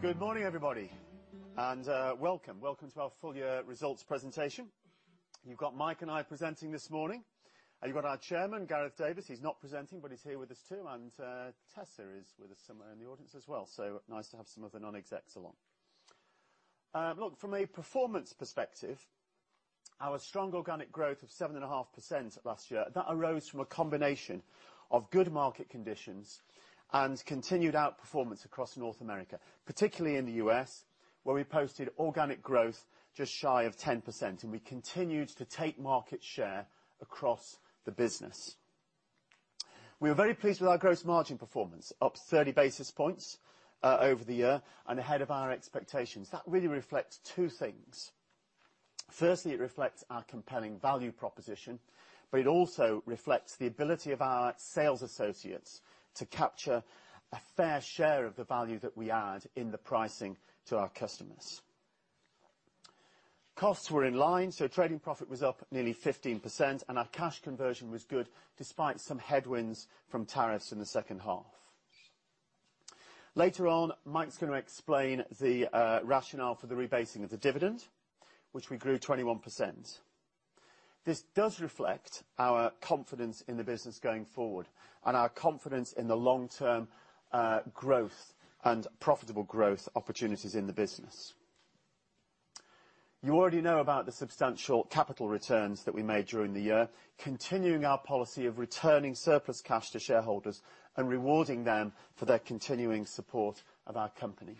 Good morning, everybody, and welcome. Welcome to our full year results presentation. You've got Mike and I presenting this morning. You've got our Chairman, Gareth Davis. He's not presenting, but he's here with us too, and Tessa is with us, somewhere in the audience as well, so nice to have some of the non-execs along. Look, from a performance perspective, our strong organic growth of 7.5% last year, that arose from a combination of good market conditions and continued outperformance across North America, particularly in the U.S., where we posted organic growth just shy of 10%. We continued to take market share across the business. We were very pleased with our gross margin performance, up 30 basis points over the year and ahead of our expectations. That really reflects two things. It reflects our compelling value proposition, but it also reflects the ability of our sales associates to capture a fair share of the value that we add in the pricing to our customers. Costs were in line, trading profit was up nearly 15%, our cash conversion was good despite some headwinds from tariffs in the second half. Later on, Mike's gonna explain the rationale for the rebasing of the dividend, which we grew 21%. This does reflect our confidence in the business going forward and our confidence in the long-term growth and profitable growth opportunities in the business. You already know about the substantial capital returns that we made during the year, continuing our policy of returning surplus cash to shareholders and rewarding them for their continuing support of our company.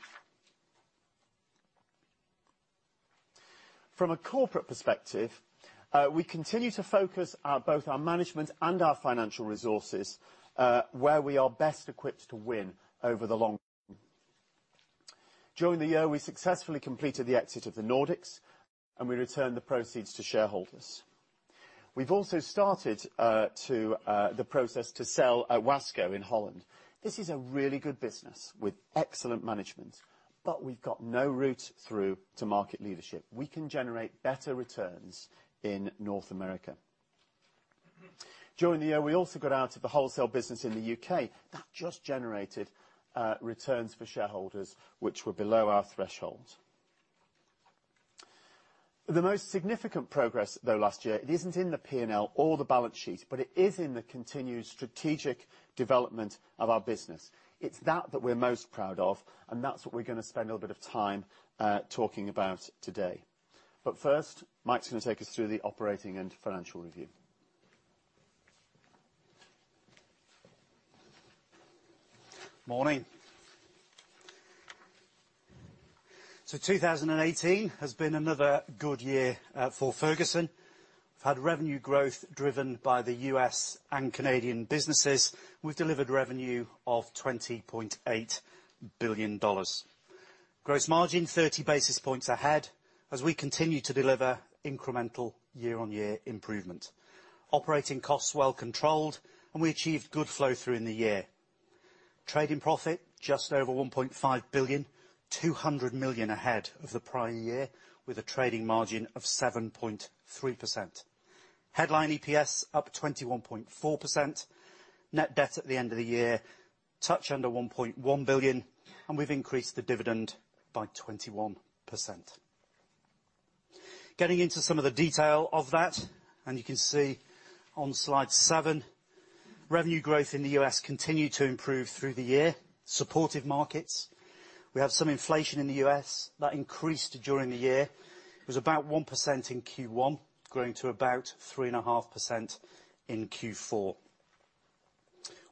From a corporate perspective, we continue to focus our, both our management and our financial resources, where we are best equipped to win over the long. During the year, we successfully completed the exit of the Nordics, and we returned the proceeds to shareholders. We've also started to the process to sell Wasco in Holland. This is a really good business with excellent management, but we've got no route through to market leadership. We can generate better returns in North America. During the year, we also got out of the wholesale business in the U.K. That just generated returns for shareholders which were below our threshold. The most significant progress, though, last year, it isn't in the P&L or the balance sheet, but it is in the continued strategic development of our business. It's that that we're most proud of, and that's what we're gonna spend a little bit of time, talking about today. First, Mike's gonna take us through the operating and financial review. Morning. 2018 has been another good year for Ferguson. We've had revenue growth driven by the U.S. and Canadian businesses. We've delivered revenue of $20.8 billion. Gross margin 30 basis points ahead, as we continue to deliver incremental year-on-year improvement. Operating costs well controlled, and we achieved good flow through the year. Trading profit just over $1.5 billion, $200 million ahead of the prior year, with a trading margin of 7.3%. Headline EPS up 21.4%. Net debt at the end of the year, touch under $1.1 billion, and we've increased the dividend by 21%. Getting into some of the detail of that, and you can see on slide seven, revenue growth in the U.S. continued to improve through the year. Supportive markets. We have some inflation in the U.S. That increased during the year. It was about 1% in Q1, growing to about 3.5% in Q4.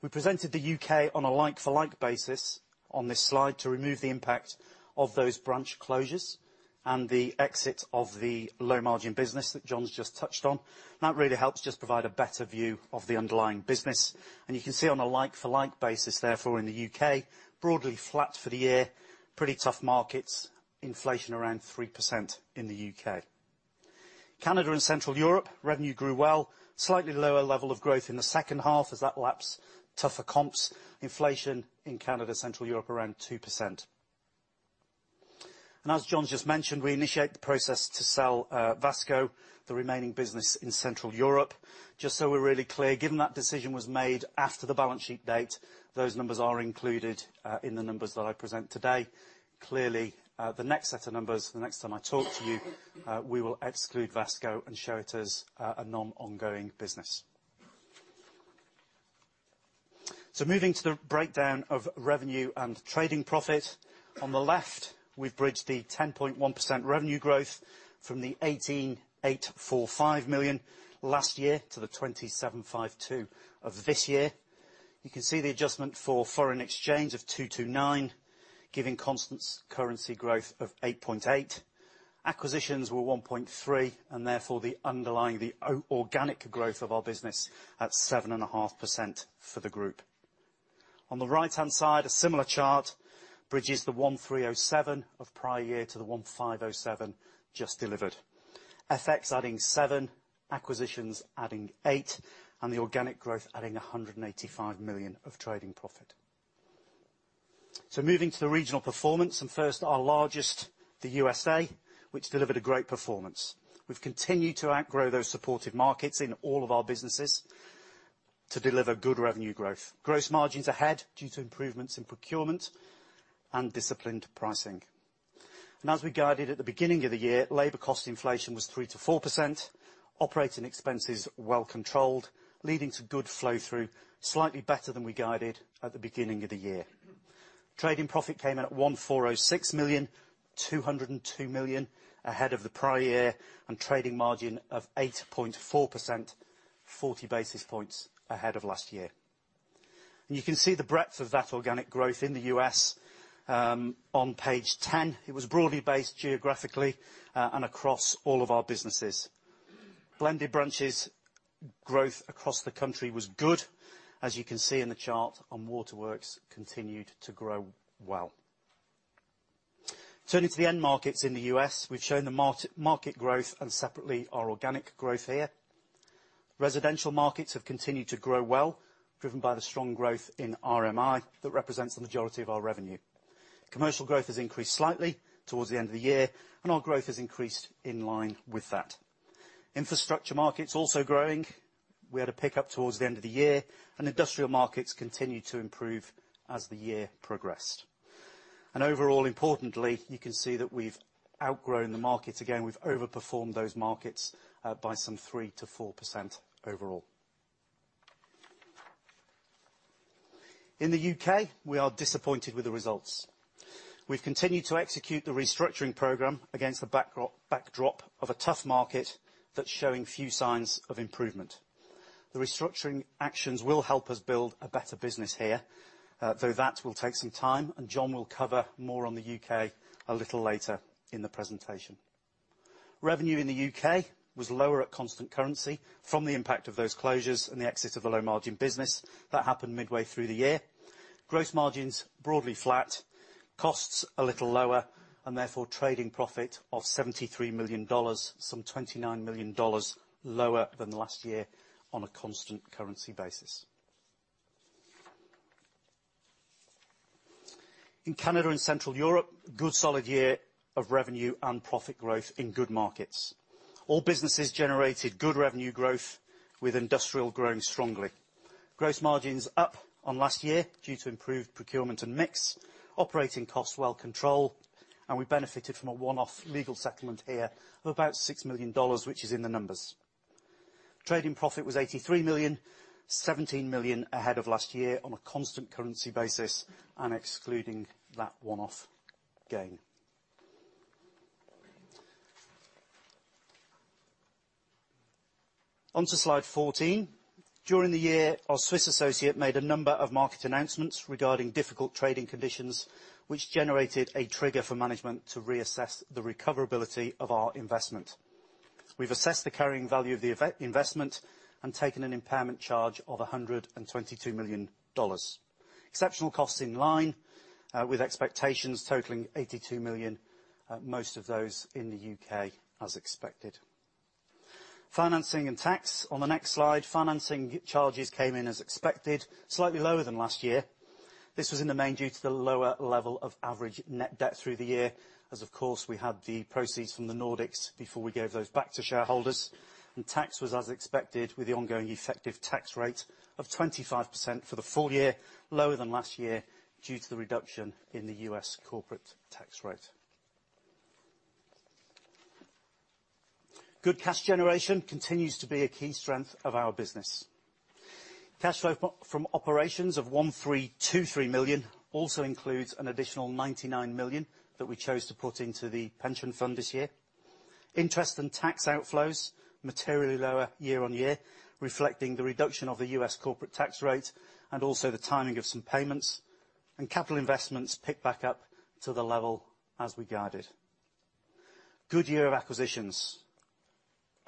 We presented the U.K. on a like-for-like basis on this slide to remove the impact of those branch closures and the exit of the low-margin business that John's just touched on. That really helps just provide a better view of the underlying business. You can see on a like-for-like basis, therefore, in the U.K., broadly flat for the year. Pretty tough markets. Inflation around 3% in the U.K. Canada and Central Europe, revenue grew well. Slightly lower level of growth in the second half as that laps tougher comps. Inflation in Canada, Central Europe around 2%. As John's just mentioned, we initiate the process to sell Wasco, the remaining business in Central Europe. Just so we're really clear, given that decision was made after the balance sheet date, those numbers are included in the numbers that I present today. Clearly, the next set of numbers, the next time I talk to you, we will exclude Wasco and show it as a non-ongoing business. Moving to the breakdown of revenue and trading profit. On the left, we've bridged the 10.1% revenue growth from the $18,845 million last year to the $20,752 million of this year. You can see the adjustment for foreign exchange of $229, giving constant currency growth of 8.8%. Acquisitions were 1.3%, and therefore the underlying organic growth of our business at 7.5% for the group. On the right-hand side, a similar chart bridges the $1,307 million of prior year to the $1,507 million just delivered. FX adding $7 million, acquisitions adding $8 million, and the organic growth adding $185 million of trading profit. Moving to the regional performance, and first our largest, the USA, which delivered a great performance. We've continued to outgrow those supportive markets in all of our businesses. To deliver good revenue growth. Gross margins ahead due to improvements in procurement and disciplined pricing. As we guided at the beginning of the year, labor cost inflation was 3% to 4%, operating expenses well controlled, leading to good flow-through, slightly better than we guided at the beginning of the year. Trading profit came in at $1,406 million, $202 million ahead of the prior year, and trading margin of 8.4%, 40 basis points ahead of last year. You can see the breadth of that organic growth in the U.S. on page 10. It was broadly based geographically across all of our businesses. Blended branches growth across the country was good. As you can see in the chart, Waterworks continued to grow well. Turning to the end markets in the U.S., we've shown the market growth separately our organic growth here. Residential markets have continued to grow well, driven by the strong growth in RMI that represents the majority of our revenue. Commercial growth has increased slightly towards the end of the year, our growth has increased in line with that. Infrastructure markets also growing. We had a pick-up towards the end of the year, industrial markets continued to improve as the year progressed. Overall, importantly, you can see that we've outgrown the market again. We've overperformed those markets by some 3%-4% overall. In the U.K., we are disappointed with the results. We've continued to execute the restructuring program against the backdrop of a tough market that's showing few signs of improvement. The restructuring actions will help us build a better business here, though that will take some time, and John will cover more on the U.K. a little later in the presentation. Revenue in the U.K. was lower at constant currency from the impact of those closures and the exit of a low-margin business that happened midway through the year. Gross margins broadly flat, costs a little lower, and therefore trading profit of $73 million, some $29 million lower than last year on a constant currency basis. In Canada and Central Europe, good solid year of revenue and profit growth in good markets. All businesses generated good revenue growth, with industrial growing strongly. Gross margins up on last year due to improved procurement and mix, operating costs well-controlled, and we benefited from a one-off legal settlement here of about $6 million, which is in the numbers. Trading profit was $83 million, $17 million ahead of last year on a constant currency basis and excluding that one-off gain. On to slide 14. During the year, our Swiss associate made a number of market announcements regarding difficult trading conditions, which generated a trigger for management to reassess the recoverability of our investment. We've assessed the carrying value of the investment and taken an impairment charge of $122 million. Exceptional costs in line with expectations totaling $82 million, most of those in the U.K. as expected. Financing and tax on the next slide. Financing charges came in as expected, slightly lower than last year. This was in the main due to the lower level of average net debt through the year as, of course, we had the proceeds from the Nordics before we gave those back to shareholders. Tax was as expected with the ongoing effective tax rate of 25% for the full year, lower than last year due to the reduction in the U.S. corporate tax rate. Good cash generation continues to be a key strength of our business. Cash flow from operations of $1,323 million also includes an additional $99 million that we chose to put into the pension fund this year. Interest and tax outflows materially lower year-on-year, reflecting the reduction of the U.S. corporate tax rate and also the timing of some payments, and capital investments picked back up to the level as we guided. Good year of acquisitions.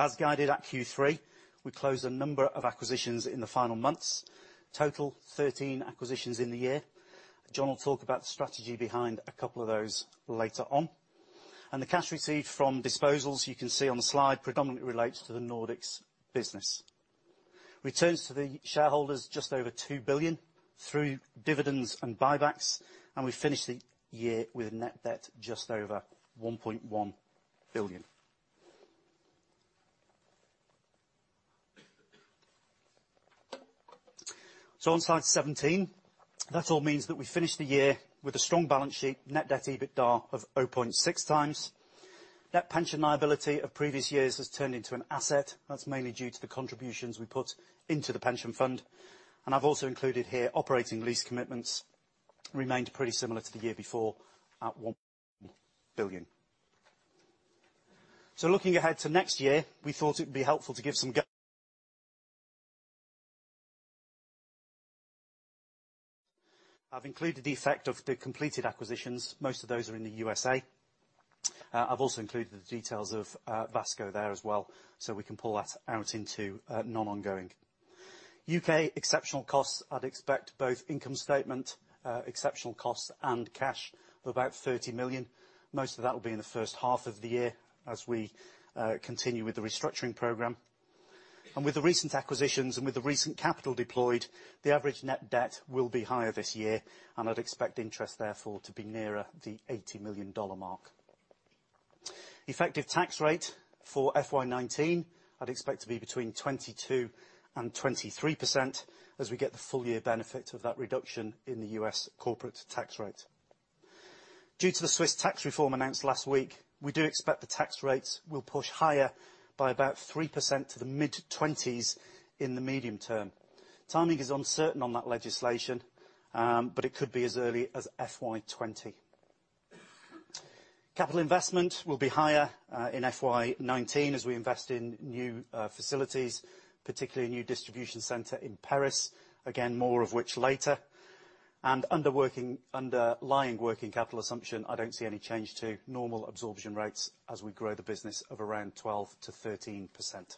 As guided at Q3, we closed a number of acquisitions in the final months. Total 13 acquisitions in the year. John will talk about the strategy behind a couple of those later on. The cash received from disposals, you can see on the slide, predominantly relates to the Nordics business. Returns to the shareholders just over $2 billion through dividends and buybacks, and we finished the year with net debt just over $1.1 billion. On slide 17, that all means that we finished the year with a strong balance sheet, net debt/EBITDA of 0.6x. Net pension liability of previous years has turned into an asset. That's mainly due to the contributions we put into the pension fund. I've also included here operating lease commitments remained pretty similar to the year before at $1 billion. Looking ahead to next year, we thought it would be helpful to give some I've included the effect of the completed acquisitions. Most of those are in the U.S.A. I've also included the details of Wasco there as well, so we can pull that out into non-ongoing. U.K. exceptional costs, I'd expect both income statement exceptional costs and cash of about $30 million. Most of that will be in the first half of the year as we continue with the restructuring program. With the recent acquisitions and with the recent capital deployed, the average net debt will be higher this year, and I'd expect interest therefore to be nearer the $80 million mark. Effective tax rate for FY19, I'd expect to be between 22%-23% as we get the full year benefit of that reduction in the U.S. corporate tax rate. Due to the Swiss tax reform announced last week, we do expect the tax rates will push higher by about 3% to the mid-20s in the medium term. Timing is uncertain on that legislation, but it could be as early as FY 2020. Capital investment will be higher in FY 2019 as we invest in new facilities, particularly a new distribution center in Perris. Again, more of which later. Under underlying working capital assumption, I don't see any change to normal absorption rates as we grow the business of around 12%-13%.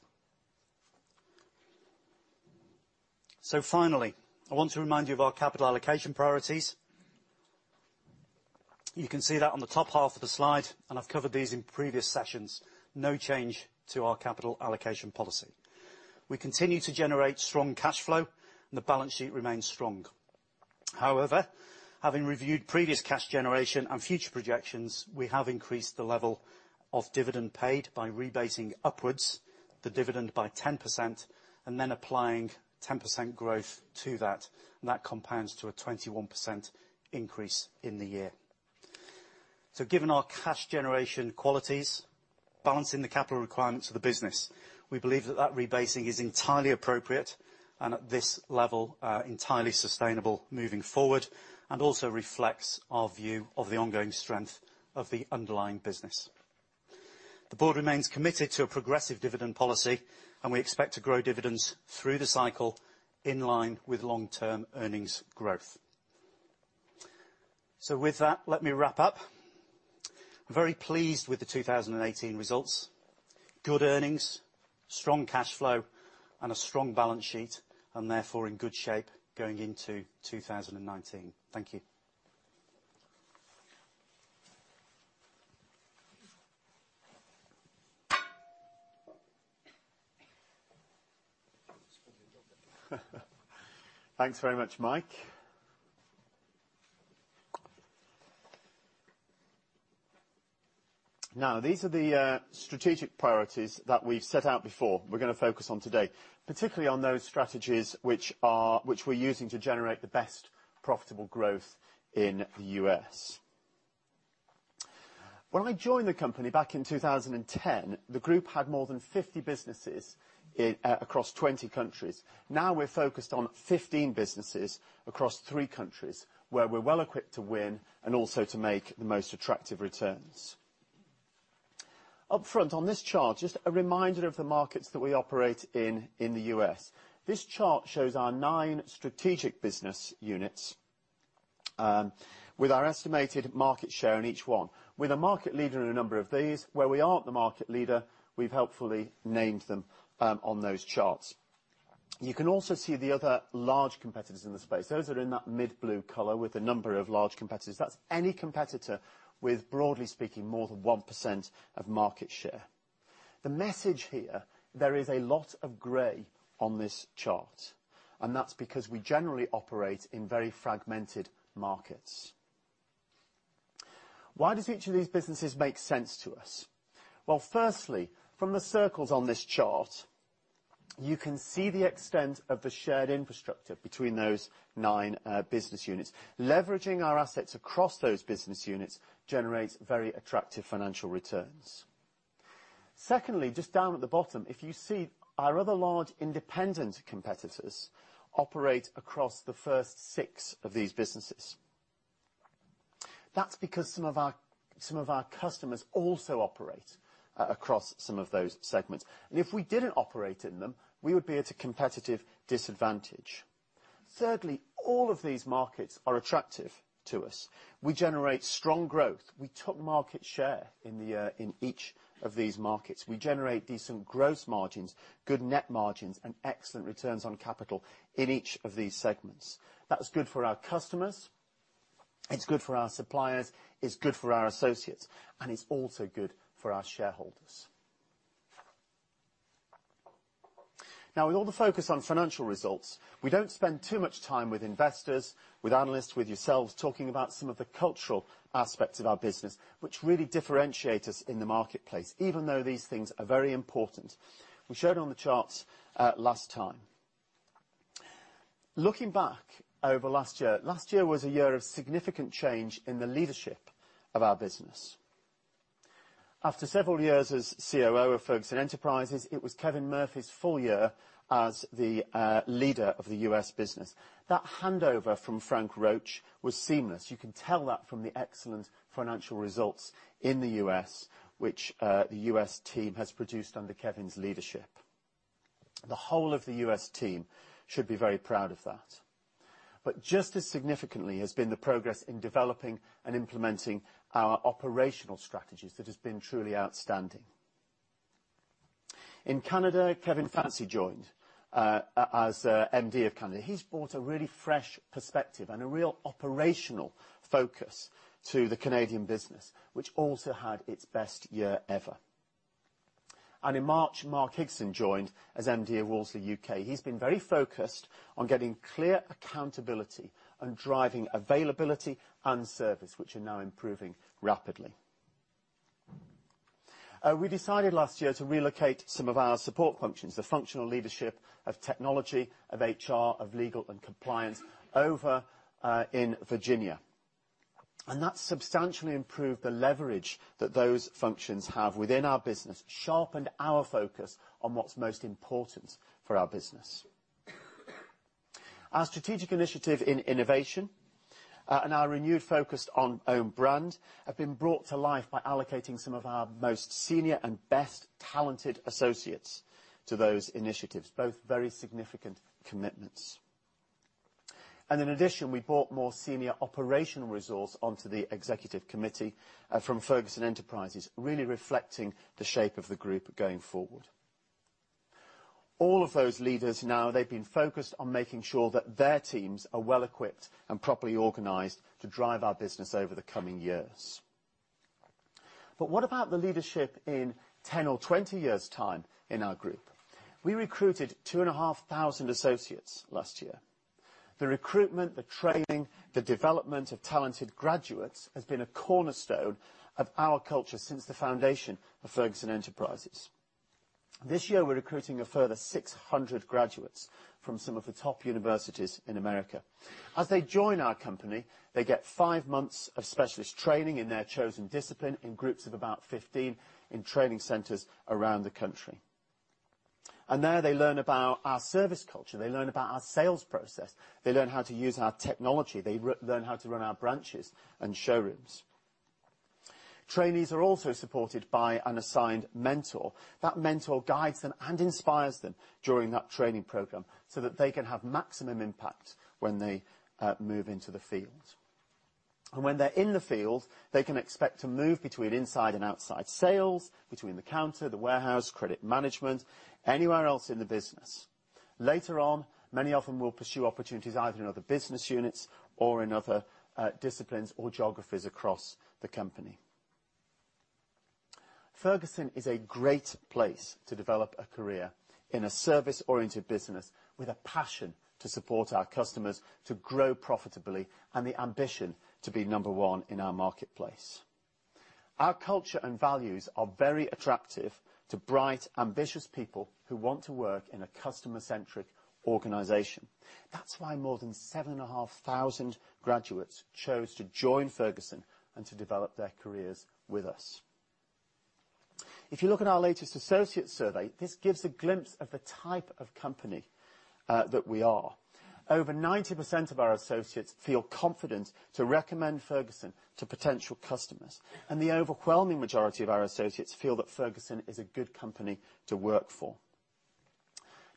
Finally, I want to remind you of our capital allocation priorities. You can see that on the top half of the slide, I've covered these in previous sessions. No change to our capital allocation policy. We continue to generate strong cash flow, the balance sheet remains strong. However, having reviewed previous cash generation and future projections, we have increased the level of dividend paid by rebasing upwards the dividend by 10%, then applying 10% growth to that. That compounds to a 21% increase in the year. Given our cash generation qualities, balancing the capital requirements of the business, we believe that that rebasing is entirely appropriate and at this level, entirely sustainable moving forward, and also reflects our view of the ongoing strength of the underlying business. The board remains committed to a progressive dividend policy, and we expect to grow dividends through the cycle in line with long-term earnings growth. With that, let me wrap up. Very pleased with the 2018 results. Good earnings, strong cashflow, and a strong balance sheet and therefore in good shape going into 2019. Thank you. Thanks very much, Mike. These are the strategic priorities that we've set out before we're gonna focus on today, particularly on those strategies which we're using to generate the best profitable growth in the U.S. When I joined the company back in 2010, the group had more than 50 businesses across 20 countries. We're focused on 15 businesses across three countries where we're well equipped to win and also to make the most attractive returns. Upfront on this chart, just a reminder of the markets that we operate in the U.S. This chart shows our nine strategic business units, with our estimated market share in each one. We're the market leader in a number of these. Where we aren't the market leader, we've helpfully named them on those charts. You can also see the other large competitors in the space. Those are in that mid-blue color with a number of large competitors. That's any competitor with, broadly speaking, more than 1% of market share. The message here, there is a lot of gray on this chart, that's because we generally operate in very fragmented markets. Why does each of these businesses make sense to us? Well, firstly, from the circles on this chart, you can see the extent of the shared infrastructure between those nine business units. Leveraging our assets across those business units generates very attractive financial returns. Secondly, just down at the bottom, if you see our other large independent competitors operate across the first six of these businesses. That's because some of our customers also operate across some of those segments. If we didn't operate in them, we would be at a competitive disadvantage. Thirdly, all of these markets are attractive to us. We generate strong growth. We took market share in each of these markets. We generate decent gross margins, good net margins, and excellent returns on capital in each of these segments. That's good for our customers, it's good for our suppliers, it's good for our associates, and it's also good for our shareholders. With all the focus on financial results, we don't spend too much time with investors, with analysts, with yourselves talking about some of the cultural aspects of our business which really differentiate us in the marketplace, even though these things are very important. We showed on the charts last time. Looking back over last year, last year was a year of significant change in the leadership of our business. After several years as COO of Ferguson Enterprises, it was Kevin Murphy's full year as the leader of the U.S. business. That handover from Frank Roach was seamless. You can tell that from the excellent financial results in the U.S. which the U.S. team has produced under Kevin's leadership. The whole of the U.S. team should be very proud of that. Just as significantly has been the progress in developing and implementing our operational strategies that has been truly outstanding. In Canada, Kevin Fancey joined as MD of Canada. He's brought a really fresh perspective and a real operational focus to the Canadian business, which also had its best year ever. In March, Mark Higson joined as MD of Wolseley U.K. He's been very focused on getting clear accountability and driving availability and service, which are now improving rapidly. We decided last year to relocate some of our support functions, the functional leadership of technology, of HR, of legal and compliance over in Virginia. That substantially improved the leverage that those functions have within our business, sharpened our focus on what's most important for our business. Our strategic initiative in innovation and our renewed focus on own brand have been brought to life by allocating some of our most senior and best talented associates to those initiatives, both very significant commitments. In addition, we brought more senior operational resource onto the executive committee from Ferguson Enterprises, really reflecting the shape of the group going forward. All of those leaders now, they've been focused on making sure that their teams are well-equipped and properly organized to drive our business over the coming years. What about the leadership in 10 or 20 years' time in our group? We recruited 2,500 associates last year. The recruitment, the training, the development of talented graduates has been a cornerstone of our culture since the foundation of Ferguson Enterprises. This year, we're recruiting a further 600 graduates from some of the top universities in America. As they join our company, they get five months of specialist training in their chosen discipline in groups of about 15 in training centers around the country. There they learn about our service culture, they learn about our sales process, they learn how to use our technology, they learn how to run our branches and showrooms. Trainees are also supported by an assigned mentor. That mentor guides them and inspires them during that training program so that they can have maximum impact when they move into the field. When they're in the field, they can expect to move between inside and outside sales, between the counter, the warehouse, credit management, anywhere else in the business. Later on, many of them will pursue opportunities either in other business units or in other disciplines or geographies across the company. Ferguson is a great place to develop a career in a service-oriented business with a passion to support our customers to grow profitably and the ambition to be number 1 in our marketplace. Our culture and values are very attractive to bright, ambitious people who want to work in a customer-centric organization. That's why more than 7,500 graduates chose to join Ferguson and to develop their careers with us. If you look at our latest associate survey, this gives a glimpse of the type of company that we are. Over 90% of our associates feel confident to recommend Ferguson to potential customers, and the overwhelming majority of our associates feel that Ferguson is a good company to work for.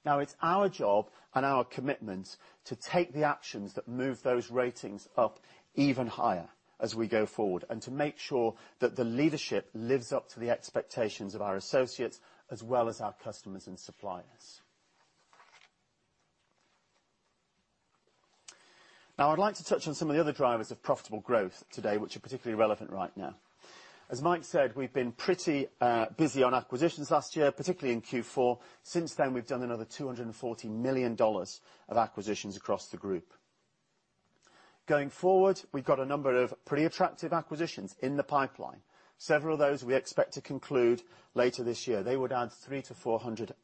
Now, it's our job and our commitment to take the actions that move those ratings up even higher as we go forward, and to make sure that the leadership lives up to the expectations of our associates as well as our customers and suppliers. Now, I'd like to touch on some of the other drivers of profitable growth today, which are particularly relevant right now. As Mike said, we've been pretty busy on acquisitions last year, particularly in Q4. Since then, we've done another $240 million of acquisitions across the group. Going forward, we've got a number of pretty attractive acquisitions in the pipeline. Several of those we expect to conclude later this year. They would add $300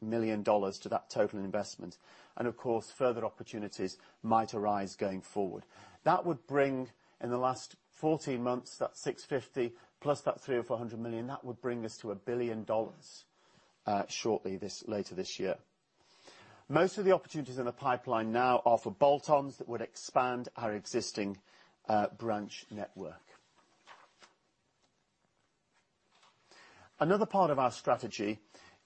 million-$400 million to that total investment. Of course, further opportunities might arise going forward. That would bring, in the last 14 months, that $650 plus that $300 million or $400 million, that would bring us to $1 billion later this year. Most of the opportunities in the pipeline now are for bolt-ons that would expand our existing branch network. Another part of our strategy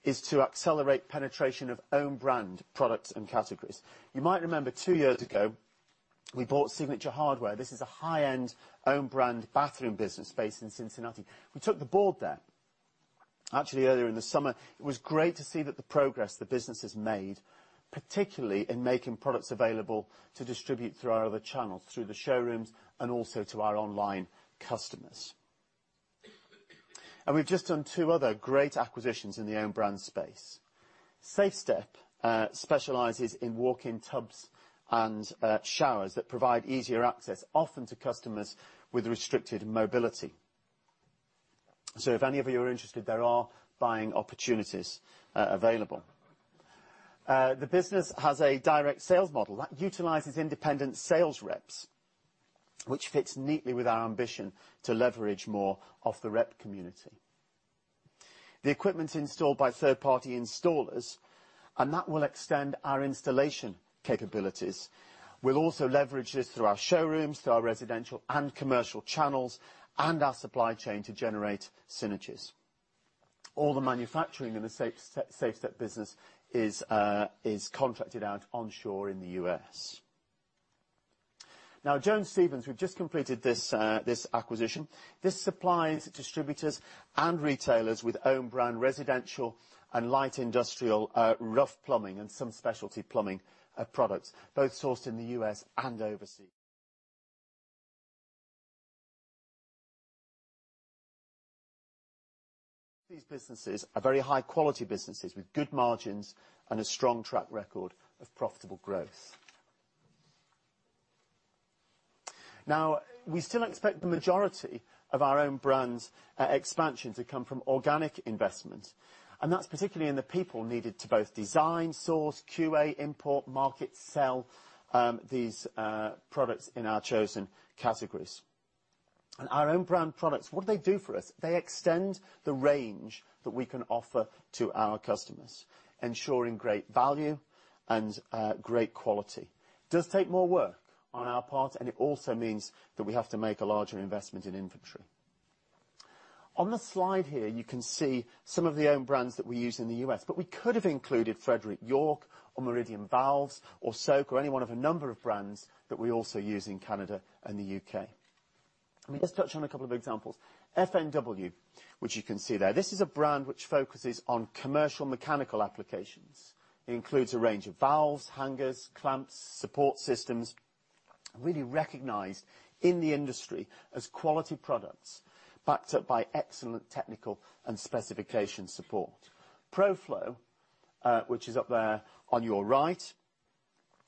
is to accelerate penetration of own brand products and categories. You might remember two years ago, we bought Signature Hardware. This is a high-end own brand bathroom business based in Cincinnati. We took the board there actually earlier in the summer. It was great to see that the progress the business has made, particularly in making products available to distribute through our other channels, through the showrooms and also to our online customers. We've just done two other great acquisitions in the own brand space. Safe Step specializes in walk-in tubs and showers that provide easier access, often to customers with restricted mobility. If any of you are interested, there are buying opportunities available. The business has a direct sales model that utilizes independent sales reps, which fits neatly with our ambition to leverage more of the rep community. The equipment's installed by third-party installers, and that will extend our installation capabilities. We'll also leverage this through our showrooms, through our residential and commercial channels, and our supply chain to generate synergies. All the manufacturing in the Safe Step business is contracted out onshore in the U.S. Jones Stephens, we've just completed this acquisition. This supplies distributors and retailers with own brand residential and light industrial rough plumbing and some specialty plumbing products, both sourced in the U.S. and overseas. These businesses are very high quality businesses with good margins and a strong track record of profitable growth. We still expect the majority of our own brands expansion to come from organic investments, and that's particularly in the people needed to both design, source, QA, import, market, sell these products in our chosen categories. Our own brand products, what do they do for us? They extend the range that we can offer to our customers, ensuring great value and great quality. It does take more work on our part, and it also means that we have to make a larger investment in inventory. On the slide here, you can see some of the own brands that we use in the U.S., but we could have included Frederick York or Meridian Valves or Soak or any one of a number of brands that we also use in Canada and the U.K. Let me just touch on a couple of examples. FNW, which you can see there, this is a brand which focuses on commercial mechanical applications. It includes a range of valves, hangers, clamps, support systems, really recognized in the industry as quality products backed up by excellent technical and specification support. PROFLO, which is up there on your right,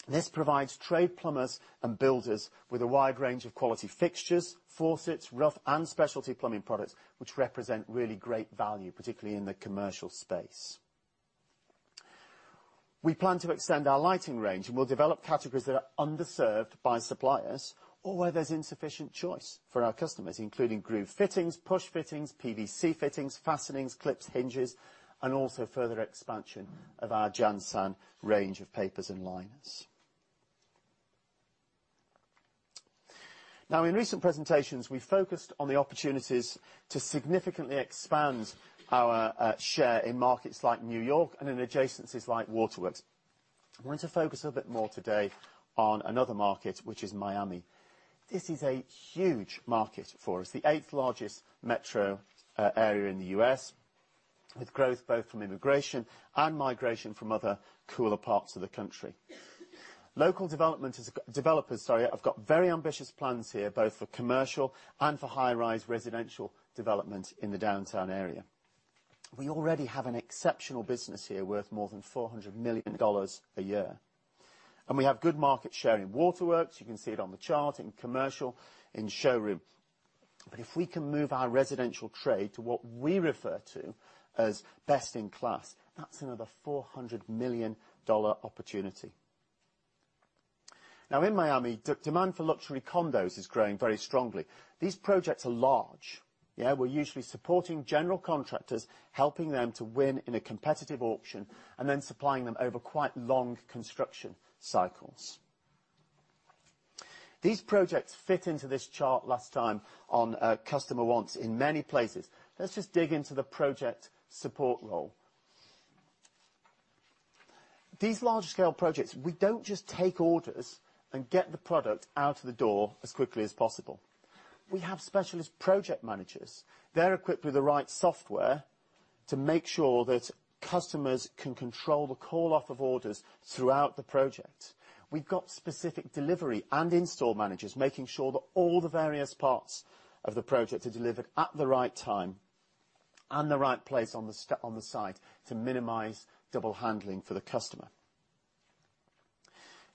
this provides trade plumbers and builders with a wide range of quality fixtures, faucets, rough and specialty plumbing products which represent really great value, particularly in the commercial space. We plan to extend our lighting range, and we'll develop categories that are underserved by suppliers or where there's insufficient choice for our customers, including groove fittings, push fittings, PVC fittings, fastenings, clips, hinges, and also further expansion of our JanSan range of papers and liners. Now, in recent presentations, we focused on the opportunities to significantly expand our share in markets like New York and in adjacencies like Waterworks. I want to focus a bit more today on another market, which is Miami. This is a huge market for us, the 8th-largest metro area in the U.S., with growth both from immigration and migration from other cooler parts of the country. Local developers have got very ambitious plans here, both for commercial and for high-rise residential development in the downtown area. We already have an exceptional business here worth more than $400 million a year. We have good market share in Waterworks. You can see it on the chart in commercial, in showroom. If we can move our residential trade to what we refer to as best in class, that's another $400 million opportunity. In Miami, demand for luxury condos is growing very strongly. These projects are large. We're usually supporting general contractors, helping them to win in a competitive auction, and then supplying them over quite long construction cycles. These projects fit into this chart last time on customer wants in many places. Let's just dig into the project support role. These large-scale projects, we don't just take orders and get the product out of the door as quickly as possible. We have specialist project managers. They're equipped with the right software to make sure that customers can control the call-off of orders throughout the project. We've got specific delivery and install managers making sure that all the various parts of the project are delivered at the right time and the right place on the site to minimize double handling for the customer.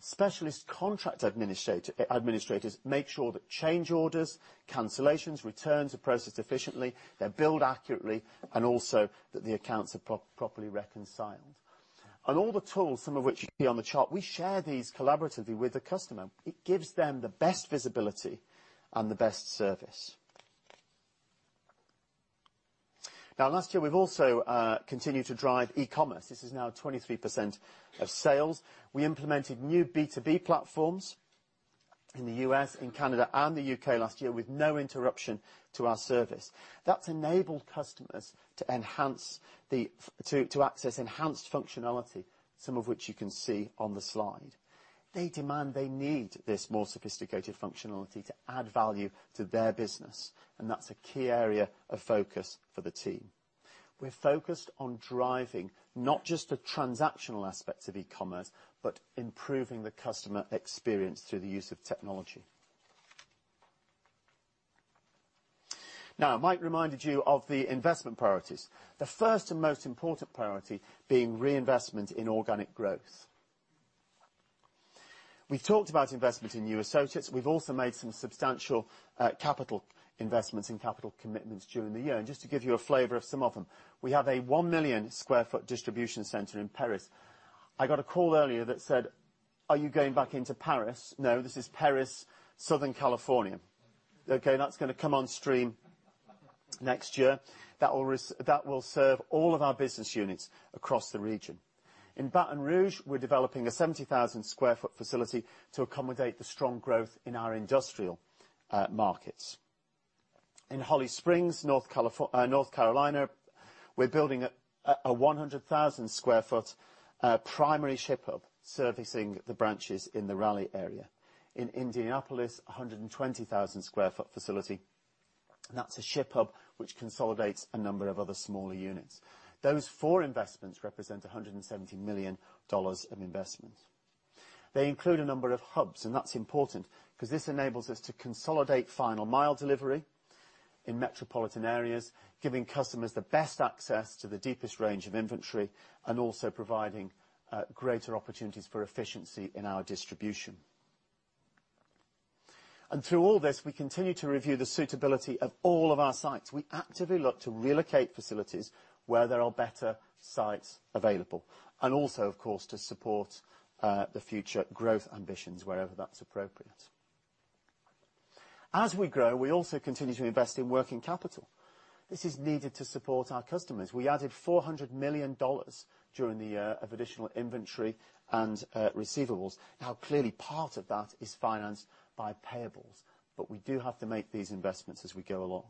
Specialist contract administrators make sure that change orders, cancellations, returns are processed efficiently, they're billed accurately, and also that the accounts are properly reconciled. All the tools, some of which you see on the chart, we share these collaboratively with the customer. It gives them the best visibility and the best service. Now, last year, we've also continued to drive e-commerce. This is now 23% of sales. We implemented new B2B platforms in the U.S., in Canada, and the U.K. last year with no interruption to our service. That's enabled customers to access enhanced functionality, some of which you can see on the slide. They demand, they need this more sophisticated functionality to add value to their business, and that's a key area of focus for the team. We're focused on driving not just the transactional aspects of e-commerce, but improving the customer experience through the use of technology. Mike reminded you of the investment priorities, the first and most important priority being reinvestment in organic growth. We talked about investment in new associates. We've also made some substantial capital investments and capital commitments during the year. Just to give you a flavor of some of them, we have a 1 million sq ft distribution center in Perris. I got a call earlier that said, "Are you going back into Paris?" No, this is Perris, Southern California. That's gonna come on stream next year. That will serve all of our business units across the region. In Baton Rouge, we're developing a 70,000 sq ft facility to accommodate the strong growth in our industrial markets. In Holly Springs, North Carolina, we're building a 100,000 sq ft primary ship hub servicing the branches in the Raleigh area. In Indianapolis, a 120,000 sq ft facility. That's a ship hub which consolidates a number of other smaller units. Those four investments represent $170 million of investment. They include a number of hubs, and that's important 'cause this enables us to consolidate final mile delivery in metropolitan areas, giving customers the best access to the deepest range of inventory, and also providing greater opportunities for efficiency in our distribution. Through all this, we continue to review the suitability of all of our sites. We actively look to relocate facilities where there are better sites available, and also, of course, to support the future growth ambitions wherever that's appropriate. As we grow, we also continue to invest in working capital. This is needed to support our customers. We added $400 million during the year of additional inventory and receivables. Clearly, part of that is financed by payables, but we do have to make these investments as we go along.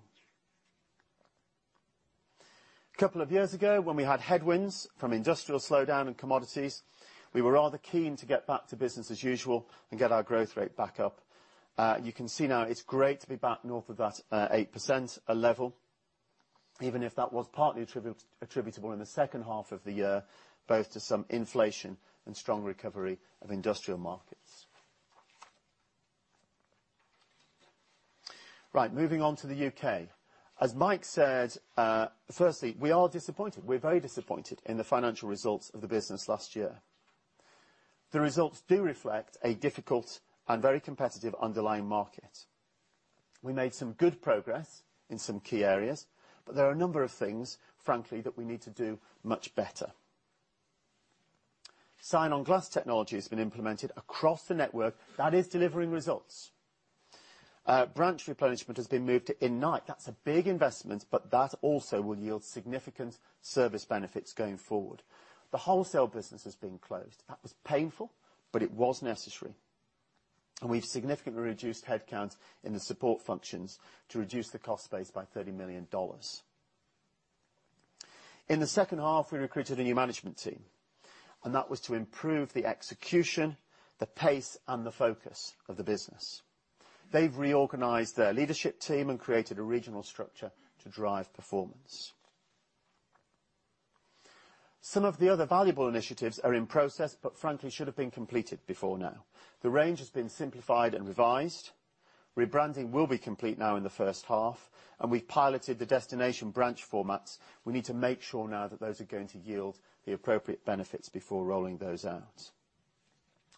Couple of years ago, when we had headwinds from industrial slowdown in commodities, we were rather keen to get back to business as usual and get our growth rate back up. You can see now it's great to be back north of that 8% level, even if that was partly attributable in the second half of the year, both to some inflation and strong recovery of industrial markets. Moving on to the U.K. As Mike said, firstly, we are disappointed. We're very disappointed in the financial results of the business last year. The results do reflect a difficult and very competitive underlying market. We made some good progress in some key areas, but there are a number of things, frankly, that we need to do much better. Sign on Glass technology has been implemented across the network. That is delivering results. Branch replenishment has been moved to in-night. That's a big investment, but that also will yield significant service benefits going forward. The wholesale business has been closed. That was painful, but it was necessary. We've significantly reduced headcount in the support functions to reduce the cost base by $30 million. In the second half, we recruited a new management team, and that was to improve the execution, the pace, and the focus of the business. They've reorganized their leadership team and created a regional structure to drive performance. Some of the other valuable initiatives are in process, but frankly should've been completed before now. The range has been simplified and revised. Rebranding will be complete now in the first half, and we've piloted the destination branch formats. We need to make sure now that those are going to yield the appropriate benefits before rolling those out.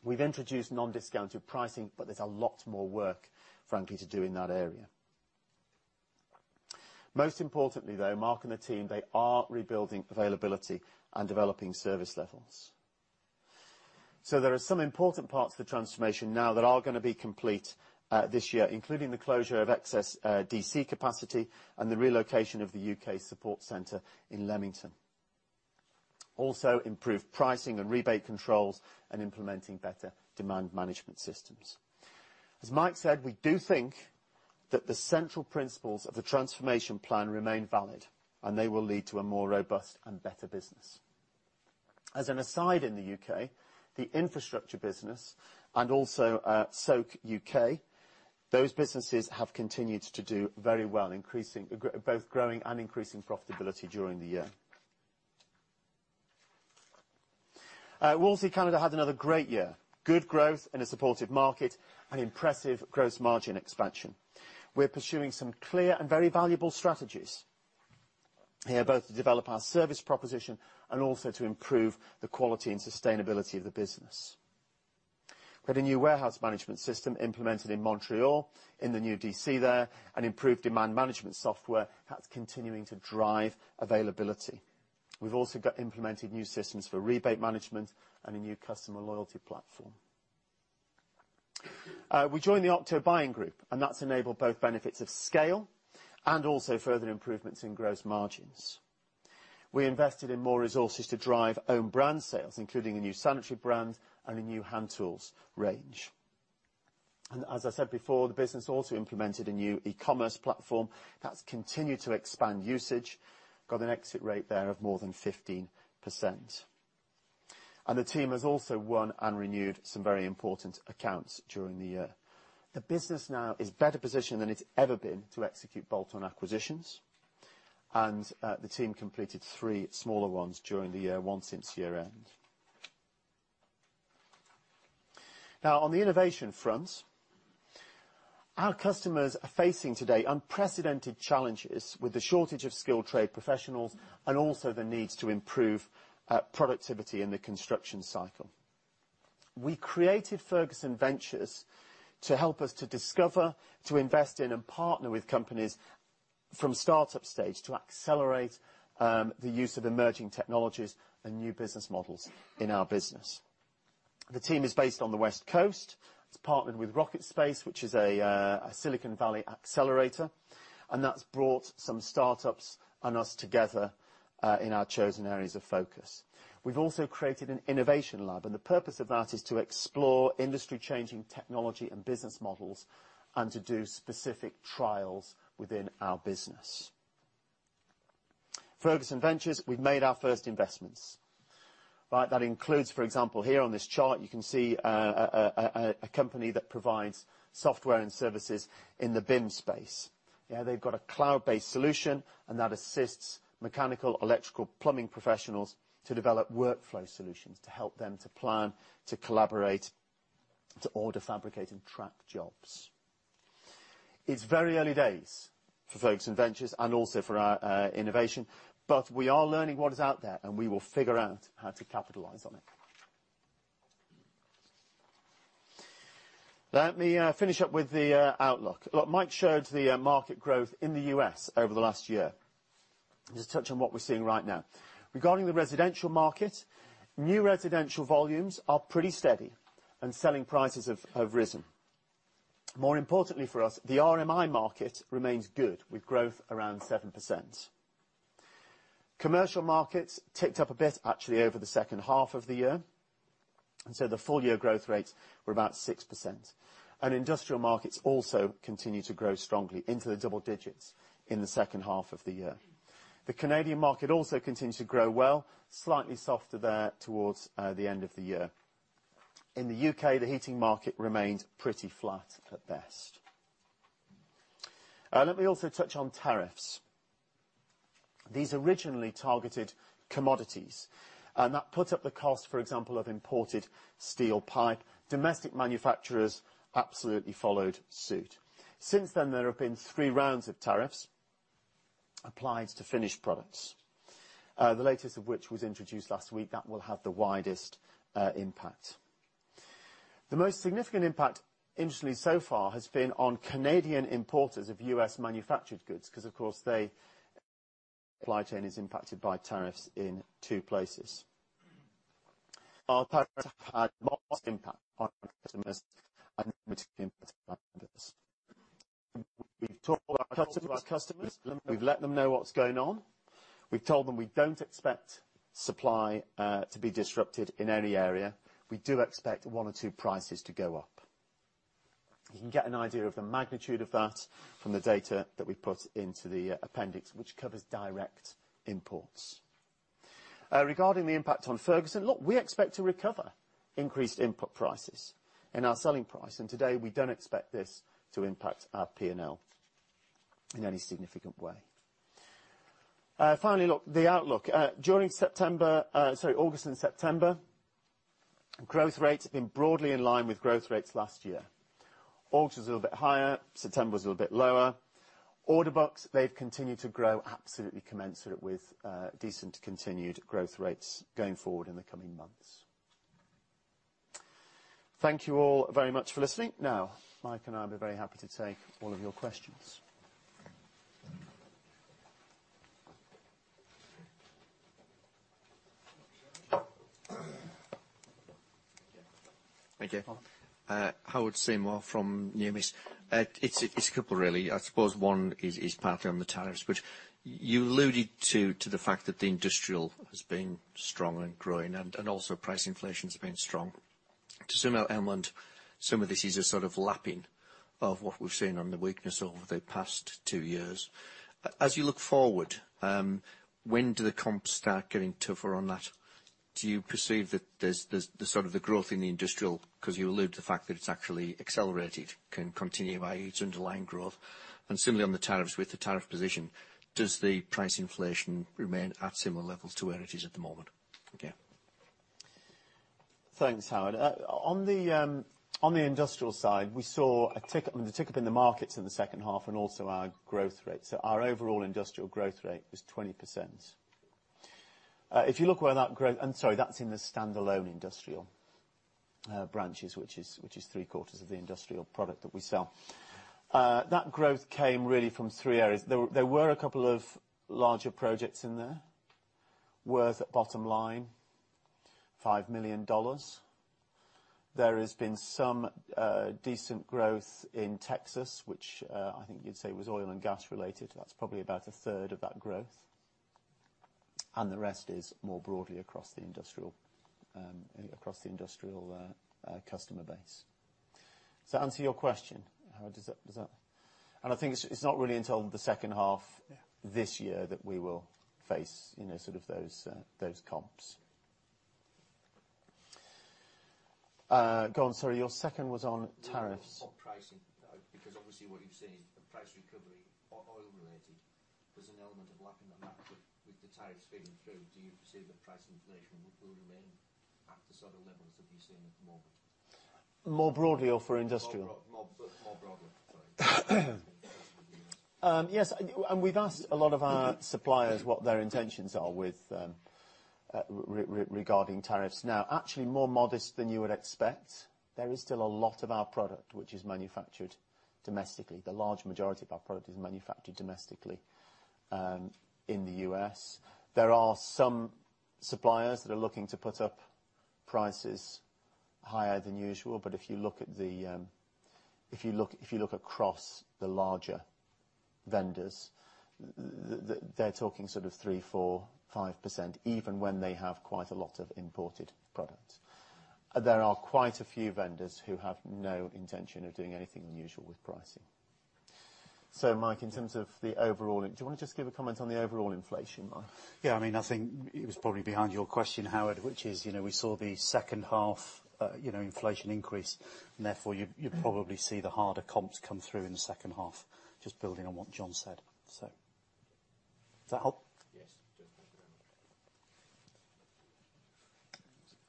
We've introduced non-discounted pricing, but there's a lot more work, frankly, to do in that area. Most importantly, though, Mark and the team, they are rebuilding availability and developing service levels. There are some important parts to the transformation now that are gonna be complete this year, including the closure of excess DC capacity and the relocation of the U.K. support center in Leamington. Also, improved pricing and rebate controls and implementing better demand management systems. As Mike said, we do think that the central principles of the transformation plan remain valid, and they will lead to a more robust and better business. As an aside in the U.K., the infrastructure business and also, SOC UK, those businesses have continued to do very well, both growing and increasing profitability during the year. Wolseley Canada had another great year. Good growth in a supportive market and impressive gross margin expansion. We're pursuing some clear and very valuable strategies. They are both to develop our service proposition and also to improve the quality and sustainability of the business. We had a new warehouse management system implemented in Montreal, in the new DC there, and improved demand management software. That's continuing to drive availability. We've also got implemented new systems for rebate management and a new customer loyalty platform. We joined the Octo buying group, and that's enabled both benefits of scale and also further improvements in gross margins. We invested in more resources to drive own brand sales, including a new sanitary brand and a new hand tools range. As I said before, the business also implemented a new e-commerce platform. That's continued to expand usage. Got an exit rate there of more than 15%. The team has also won and renewed some very important accounts during the year. The business now is better positioned than it's ever been to execute bolt-on acquisitions, and the team completed three smaller ones during the year, one since year-end. Now, on the innovation front, our customers are facing today unprecedented challenges with the shortage of skilled trade professionals and also the needs to improve productivity in the construction cycle. We created Ferguson Ventures to help us to discover, to invest in, and partner with companies from start-up stage to accelerate the use of emerging technologies and new business models in our business. The team is based on the West Coast. It's partnered with RocketSpace, which is a Silicon Valley accelerator, that's brought some startups and us together in our chosen areas of focus. We've also created an innovation lab, the purpose of that is to explore industry-changing technology and business models and to do specific trials within our business. Ferguson Ventures, we've made our first investments. Right, that includes, for example, here on this chart, you can see a company that provides software and services in the BIM space. Yeah, they've got a cloud-based solution, and that assists mechanical, electrical, plumbing professionals to develop workflow solutions to help them to plan, to collaborate, to order, fabricate, and track jobs. It's very early days for Ferguson Ventures and also for our innovation, but we are learning what is out there, and we will figure out how to capitalize on it. Let me finish up with the outlook. Look, Mike showed the market growth in the U.S. over the last year. Just touch on what we're seeing right now. Regarding the residential market, new residential volumes are pretty steady, and selling prices have risen. More importantly for us, the RMI market remains good with growth around 7%. Commercial markets ticked up a bit actually over the second half of the year, so the full year growth rates were about 6%. Industrial markets also continue to grow strongly into the double digits in the second half of the year. The Canadian market also continues to grow well, slightly softer there towards the end of the year. In the U.K., the heating market remained pretty flat at best. Let me also touch on tariffs. These originally targeted commodities, and that put up the cost, for example, of imported steel pipe. Domestic manufacturers absolutely followed suit. Since then, there have been three rounds of tariffs applied to finished products, the latest of which was introduced last week. That will have the widest impact. The most significant impact, interestingly so far, has been on Canadian importers of U.S. manufactured goods because, of course, their supply chain is impacted by tariffs in two places. Our partners have had most impact on customers [and impacted by this]. We've talked to our customers. We've let them know what's going on. We've told them we don't expect supply to be disrupted in any area. We do expect one or two prices to go up. You can get an idea of the magnitude of that from the data that we put into the appendix, which covers direct imports. Regarding the impact on Ferguson, look, we expect to recover increased input prices in our selling price, today we don't expect this to impact our P&L in any significant way. Finally, look, the outlook. During September, sorry, August and September, growth rates have been broadly in line with growth rates last year. August was a little bit higher, September was a little bit lower. Order books, they've continued to grow absolutely commensurate with decent continued growth rates going forward in the coming months. Thank you all very much for listening. Now, Mike and I'll be very happy to take all of your questions. Thank you. [inaudible] Howard Seymour from Numis. It's a couple, really. I suppose one is partly on the tariffs, which you alluded to the fact that the industrial has been strong and growing and also price inflation's been strong. To some element, some of this is a sort of lapping of what we've seen on the weakness over the past two years. As you look forward, when do the comps start getting tougher on that? Do you perceive that there's the sort of the growth in the industrial, 'cause you alluded to the fact that it's actually accelerated, can continue by its underlying growth? Similarly, on the tariffs, with the tariff position, does the price inflation remain at similar levels to where it is at the moment? Yeah. Thanks, Howard. On the industrial side, we saw a tick up in the markets in the second half and also our growth rate. Our overall industrial growth rate was 20%. If you look where that growth I'm sorry, that's in the standalone industrial branches, which is 3/4 of the industrial product that we sell. That growth came really from three areas. There were a couple of larger projects in there worth, bottom line, $5 million. There has been some decent growth in Texas, which I think you'd say was oil and gas related. That's probably about a third of that growth. The rest is more broadly across the industrial, across the industrial customer base. Does that answer your question, Howard? Does that, I think it's not really until the second half. Yeah this year that we will face, you know, sort of those comps. Go on, sorry. Your second was on tariffs. On pricing, because obviously what you've seen is a price recovery oil related. There's an element of lapping on that, but with the tariffs feeding through, do you foresee the price inflation will remain at the sort of levels that we've seen at the moment? More broadly or for industrial? More broadly, sorry. Yes, we've asked a lot of our suppliers what their intentions are with regarding tariffs. Actually more modest than you would expect. There is still a lot of our product which is manufactured domestically. The large majority of our product is manufactured domestically in the U.S. There are some suppliers that are looking to put up prices higher than usual, if you look across the larger vendors, they're talking sort of 3%, 4%, 5%, even when they have quite a lot of imported products. There are quite a few vendors who have no intention of doing anything unusual with pricing. Mike, in terms of the overall Do you wanna just give a comment on the overall inflation, Mike? Yeah, I mean, I think it was probably behind your question, Howard, which is, you know, we saw the second half, you know, inflation increase, and therefore you probably see the harder comps come through in the second half, just building on what John said. Does that help?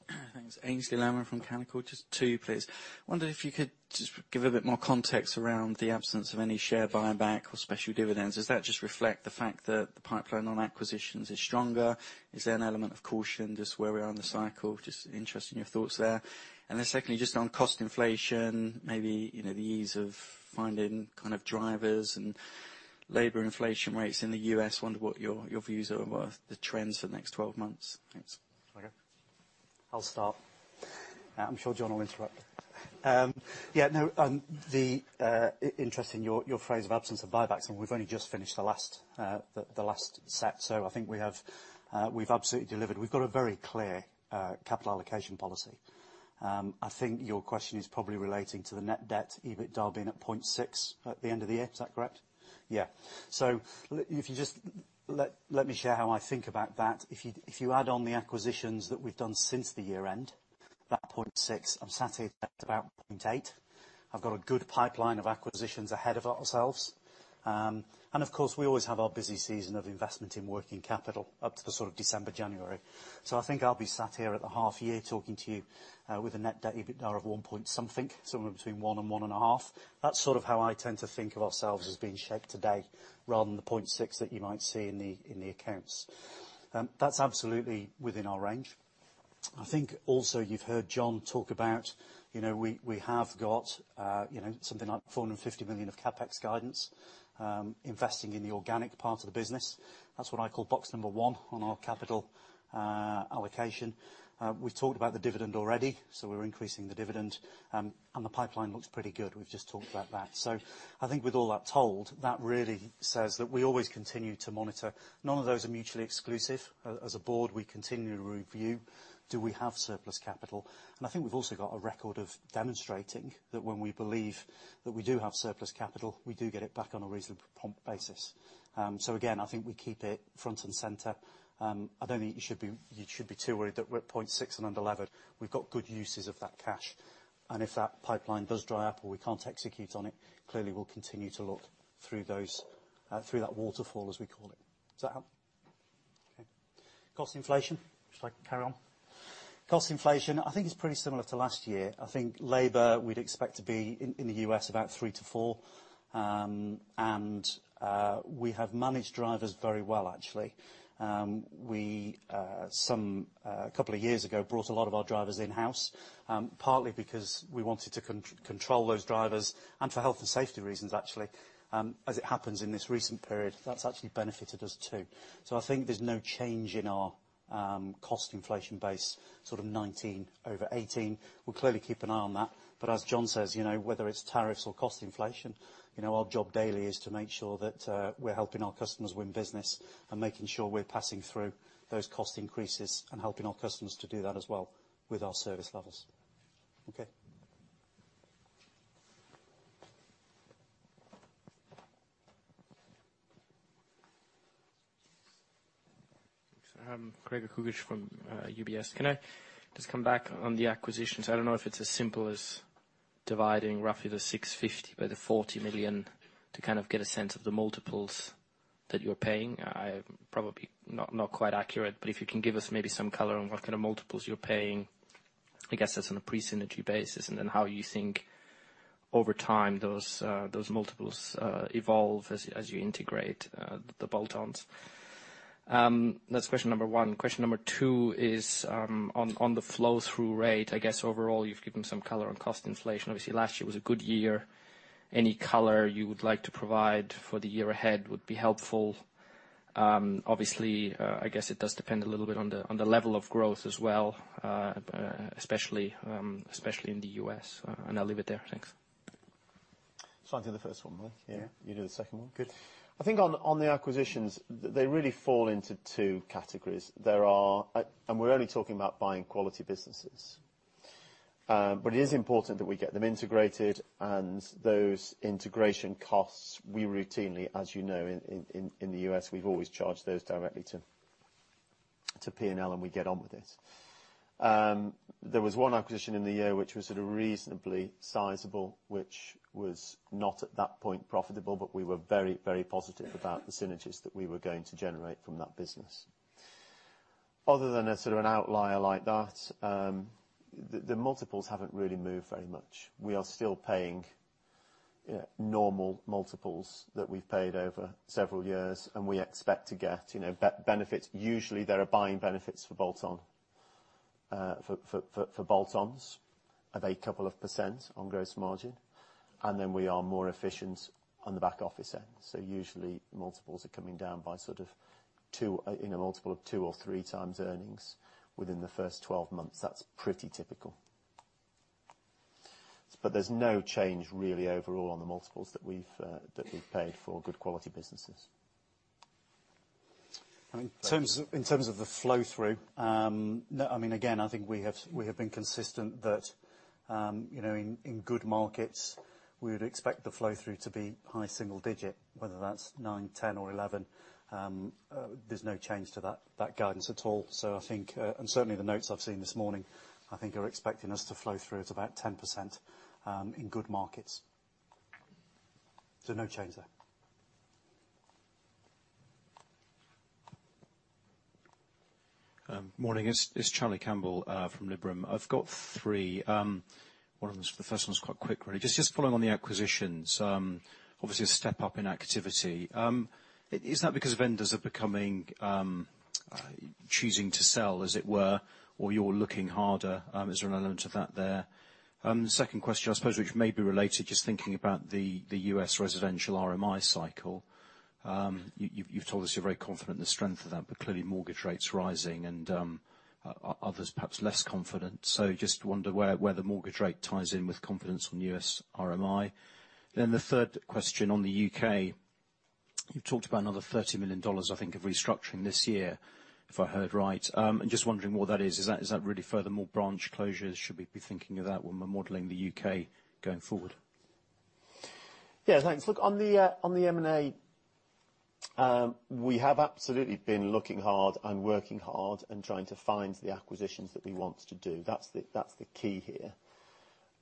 Yes Thanks. Aynsley Lammin from Canaccord. Just two, please. Wonder if you could just give a bit more context around the absence of any share buyback or special dividends. Does that just reflect the fact that the pipeline on acquisitions is stronger? Is there an element of caution, just where we are in the cycle? Just interested in your thoughts there. Secondly, just on cost inflation, maybe, you know, the ease of finding kind of drivers and labor inflation rates in the U.S., wonder what your views are about the trends for the next 12 months. Thanks. Okay. I'll start. I'm sure John will interrupt. Yeah, no, the interest in your phrase of absence of buybacks. We've only just finished the last set. I think we have, we've absolutely delivered. We've got a very clear capital allocation policy. I think your question is probably relating to the net debt, EBITDA being at 0.6 at the end of the year. Is that correct? Yeah. If you just let me share how I think about that. If you, if you add on the acquisitions that we've done since the year end, that 0.6, I'm sat here at about 0.8. I've got a good pipeline of acquisitions ahead of ourselves. Of course, we always have our busy season of investment in working capital up to the sort of December, January. I think I'll be sat here at the half year talking to you with a net debt EBITDA of one point something, somewhere between 1 and 1.5. That's sort of how I tend to think of ourselves as being shaped today, rather than the 0.6 that you might see in the accounts. That's absolutely within our range. I think also you've heard John talk about, you know, we have got, you know, something like $450 million of CapEx guidance, investing in the organic part of the business. That's what I call box number one on our capital allocation. We've talked about the dividend already, we're increasing the dividend. The pipeline looks pretty good. We've just talked about that. I think with all that told, that really says that we always continue to monitor. None of those are mutually exclusive. As a board, we continue to review, do we have surplus capital? I think we've also got a record of demonstrating that when we believe that we do have surplus capital, we do get it back on a reasonably prompt basis. Again, I think we keep it front and center. I don't think you should be too worried that we're at 0.6 and under-levered. We've got good uses of that cash. If that pipeline does dry up or we can't execute on it, clearly, we'll continue to look through those, through that waterfall, as we call it. Does that help? Okay. Cost inflation. Sure carry on. Cost inflation, I think it's pretty similar to last year. I think labor, we'd expect to be in the U.S., about 3% to 4%. We have managed drivers very well, actually. We, a couple of years ago, brought a lot of our drivers in-house, partly because we wanted to control those drivers and for health and safety reasons, actually. As it happens in this recent period, that's actually benefited us, too. I think there's no change in our cost inflation base, sort of 19 over 18. We'll clearly keep an eye on that. As John says, you know, whether it's tariffs or cost inflation, you know, our job daily is to make sure that we're helping our customers win business and making sure we're passing through those cost increases and helping our customers to do that as well with our service levels. Okay. Gregor Kuglitsch from UBS. Can I just come back on the acquisitions? I don't know if it's as simple as dividing roughly the $650 by the $40 million to kind of get a sense of the multiples that you're paying. Probably not quite accurate, if you can give us maybe some color on what kind of multiples you're paying, I guess that's on a pre-synergy basis, and then how you think over time, those multiples evolve as you integrate the bolt-ons. That's question number 1. Question number 2 is on the flow through rate. I guess overall, you've given some color on cost inflation. Obviously, last year was a good year. Any color you would like to provide for the year ahead would be helpful. Obviously, I guess it does depend a little bit on the level of growth as well, especially in the U.S. I'll leave it there. Thanks. I'll do the first one, right? Yeah. You do the second one. Good. I think on the acquisitions, they really fall into two categories. We're only talking about buying quality businesses. It is important that we get them integrated, and those integration costs, we routinely, as you know, in the U.S., we've always charged those directly to P&L, and we get on with it. There was 1 acquisition in the year which was at a reasonably sizable, which was not at that point profitable, we were very, very positive about the synergies that we were going to generate from that business. Other than a sort of an outlier like that, the multiples haven't really moved very much. We are still paying normal multiples that we've paid over several years, and we expect to get, you know, benefits. Usually, there are buying benefits for bolt-on, for bolt-ons of a couple of % on gross margin. We are more efficient on the back office end. Usually, multiples are coming down by sort of two, in a multiple of two or three times earnings within the first 12 months. That's pretty typical. There's no change really overall on the multiples that we've, that we've paid for good quality businesses. In terms of the flow through, again, I think we have been consistent that, you know, in good markets, we would expect the flow through to be high single digit, whether that's nine, 10 or 11, there's no change to that guidance at all. I think, and certainly the notes I've seen this morning, I think are expecting us to flow through to about 10% in good markets. No change there. Morning. It's Charlie Campbell from Liberum. I've got three. One of them is, the first one is quite quick, really. Just following on the acquisitions. Is that because vendors are becoming choosing to sell as it were, or you're looking harder? Is there an element of that there? The second question, I suppose, which may be related, just thinking about the U.S. residential RMI cycle. You've told us you're very confident in the strength of that, but clearly mortgage rates rising and others perhaps less confident. Just wonder where the mortgage rate ties in with confidence on U.S. RMI. The third question on the U.K., you've talked about another $30 million, I think, of restructuring this year, if I heard right. Just wondering what that is. Is that really further more branch closures? Should we be thinking of that when we're modeling the U.K. going forward? Thanks. On the M&A, we have absolutely been looking hard and working hard and trying to find the acquisitions that we want to do. That's the key here.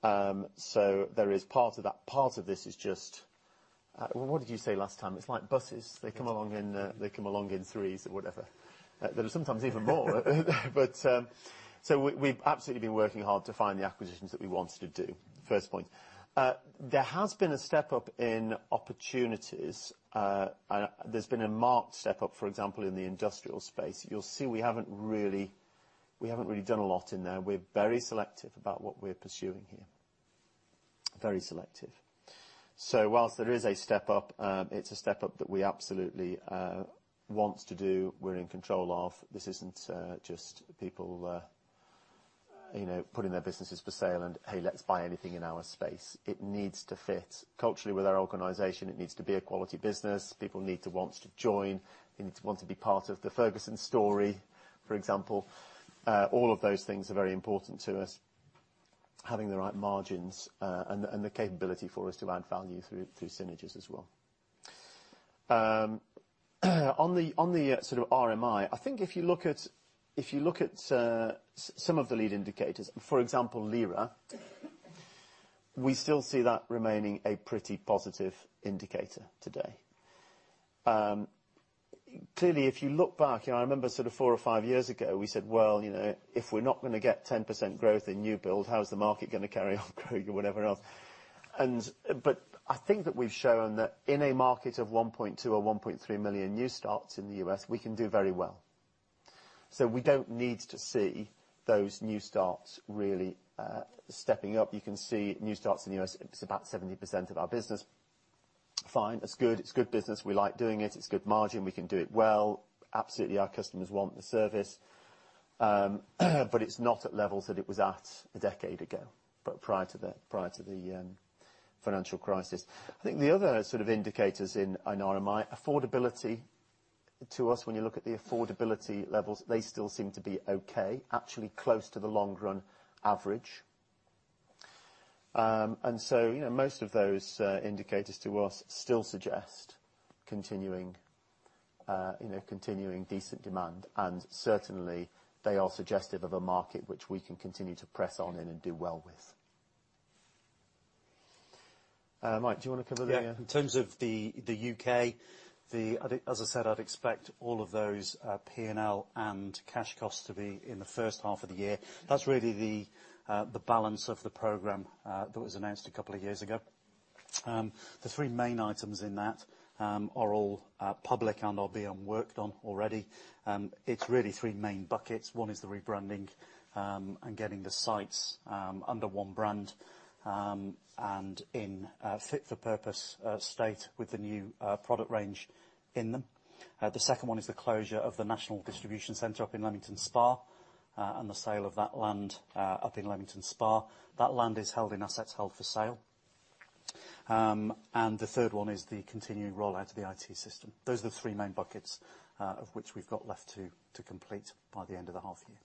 There is part of that. Part of this is just what did you say last time? It's like buses. They come along in threes or whatever. There are sometimes even more. We've absolutely been working hard to find the acquisitions that we want to do. First point. There has been a step up in opportunities. There's been a marked step up, for example, in the industrial space. You'll see we haven't really done a lot in there. We're very selective about what we're pursuing here. Very selective. Whilst there is a step up, it's a step up that we absolutely want to do, we're in control of. This isn't just people, you know, putting their businesses for sale and, hey, let's buy anything in our space. It needs to fit culturally with our organization. It needs to be a quality business. People need to want to join. They need to want to be part of the Ferguson story, for example. All of those things are very important to us. Having the right margins, and the capability for us to add value through synergies as well. On the sort of RMI, I think if you look at some of the lead indicators, for example, LIRA, we still see that remaining a pretty positive indicator today. Clearly, if you look back, you know, I remember sort of four or five years ago, we said, "Well, you know, if we're not gonna get 10% growth in new build, how is the market gonna carry on growing or whatever else?" I think that we've shown that in a market of 1.2 million or 1.3 million new starts in the U.S., we can do very well. We don't need to see those new starts really stepping up. You can see new starts in the U.S., it's about 70% of our business. Fine. That's good. It's good business. We like doing it. It's good margin. We can do it well. Absolutely, our customers want the service. It's not at levels that it was at a decade ago, prior to the financial crisis. I think the other sort of indicators in RMI, affordability. To us, when you look at the affordability levels, they still seem to be okay, actually close to the long run average. you know, most of those indicators to us still suggest continuing, you know, continuing decent demand. Certainly, they are suggestive of a market which we can continue to press on in and do well with. Mike, do you wanna cover? Yeah. In terms of the UK, as I said, I'd expect all of those P&L and cash costs to be in the first half of the year. That's really the balance of the program that was announced a couple of years ago. The three main items in that are all public and are being worked on already. It's really three main buckets. One is the rebranding and getting the sites under one brand and in a fit for purpose state with the new product range in them. The second one is the closure of the national distribution center up in Leamington Spa and the sale of that land up in Leamington Spa. That land is held in assets held for sale. The third one is the continuing rollout of the IT system. Those are the three main buckets of which we've got left to complete by the end of the half year.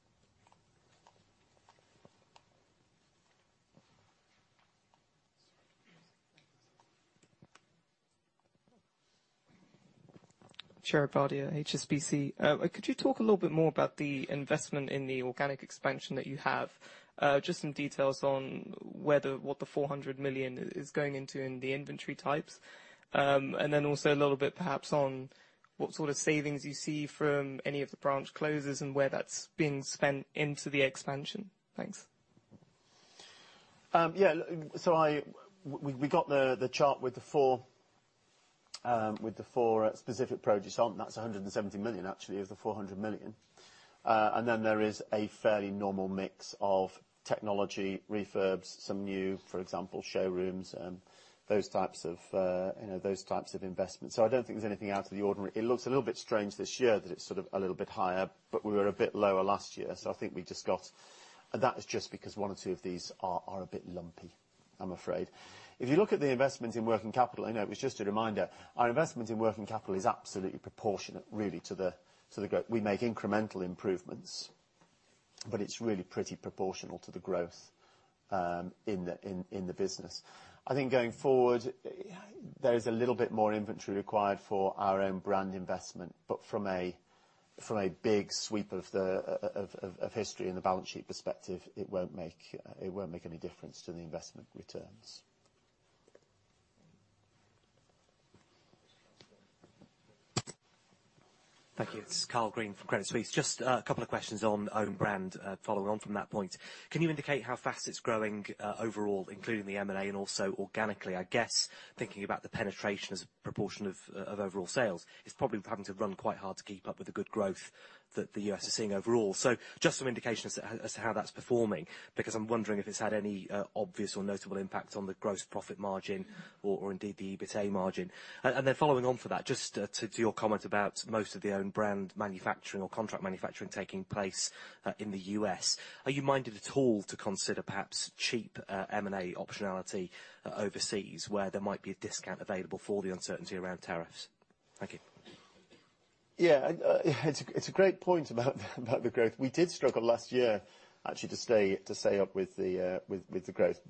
Shreyas Bordia, HSBC. Could you talk a little bit more about the investment in the organic expansion that you have? Just some details on what the $400 million is going into in the inventory types. Also a little bit perhaps on what sort of savings you see from any of the branch closures and where that's being spent into the expansion. Thanks. Yeah. Look, so We got the chart with the four specific projects on. That's $170 million, actually, of the $400 million. Then there is a fairly normal mix of technology refurbs, some new, for example, showrooms, you know, those types of investments. I don't think there's anything out of the ordinary. It looks a little bit strange this year that it's sort of a little bit higher, but we were a bit lower last year. I think That is just because one or two of these are a bit lumpy, I'm afraid. If you look at the investment in working capital, I know it was just a reminder, our investment in working capital is absolutely proportionate, really, to the growth. We make incremental improvements, but it's really pretty proportional to the growth in the business. I think going forward, there is a little bit more inventory required for our own brand investment. From a big sweep of history in the balance sheet perspective, it won't make any difference to the investment returns. Thank you. It's Karl Green from Credit Suisse. Just a couple of questions on own brand following on from that point. Can you indicate how fast it's growing overall, including the M&A and also organically? I guess thinking about the penetration as a proportion of overall sales, it's probably having to run quite hard to keep up with the good growth that the U.S. is seeing overall. Just some indications as to how that's performing, because I'm wondering if it's had any obvious or notable impact on the gross profit margin or indeed the EBITA margin. Following on from that, just to your comment about most of the own brand manufacturing or contract manufacturing taking place in the U.S. Are you minded at all to consider perhaps cheap, M&A optionality overseas, where there might be a discount available for the uncertainty around tariffs? Thank you. It's a great point about the growth. We did struggle last year actually to stay up with the growth.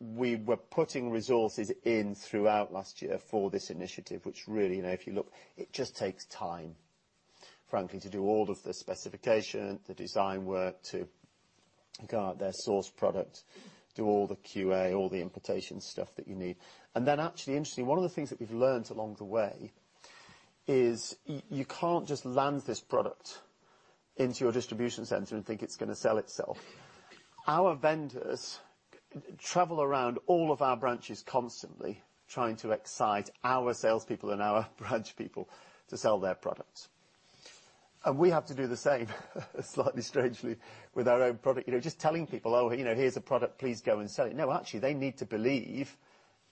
We were putting resources in throughout last year for this initiative, which really, you know, if you look, it just takes time, frankly, to do all of the specification, the design work, to go out there, source product, do all the QA, all the importation stuff that you need. Actually, interestingly, one of the things that we've learnt along the way is you can't just land this product into your distribution center and think it's going to sell itself. Our vendors travel around all of our branches constantly trying to excite our sales people and our branch people to sell their products. We have to do the same slightly strangely with our own product. You know, just telling people, "Oh, you know, here's a product, please go and sell it." No, actually, they need to believe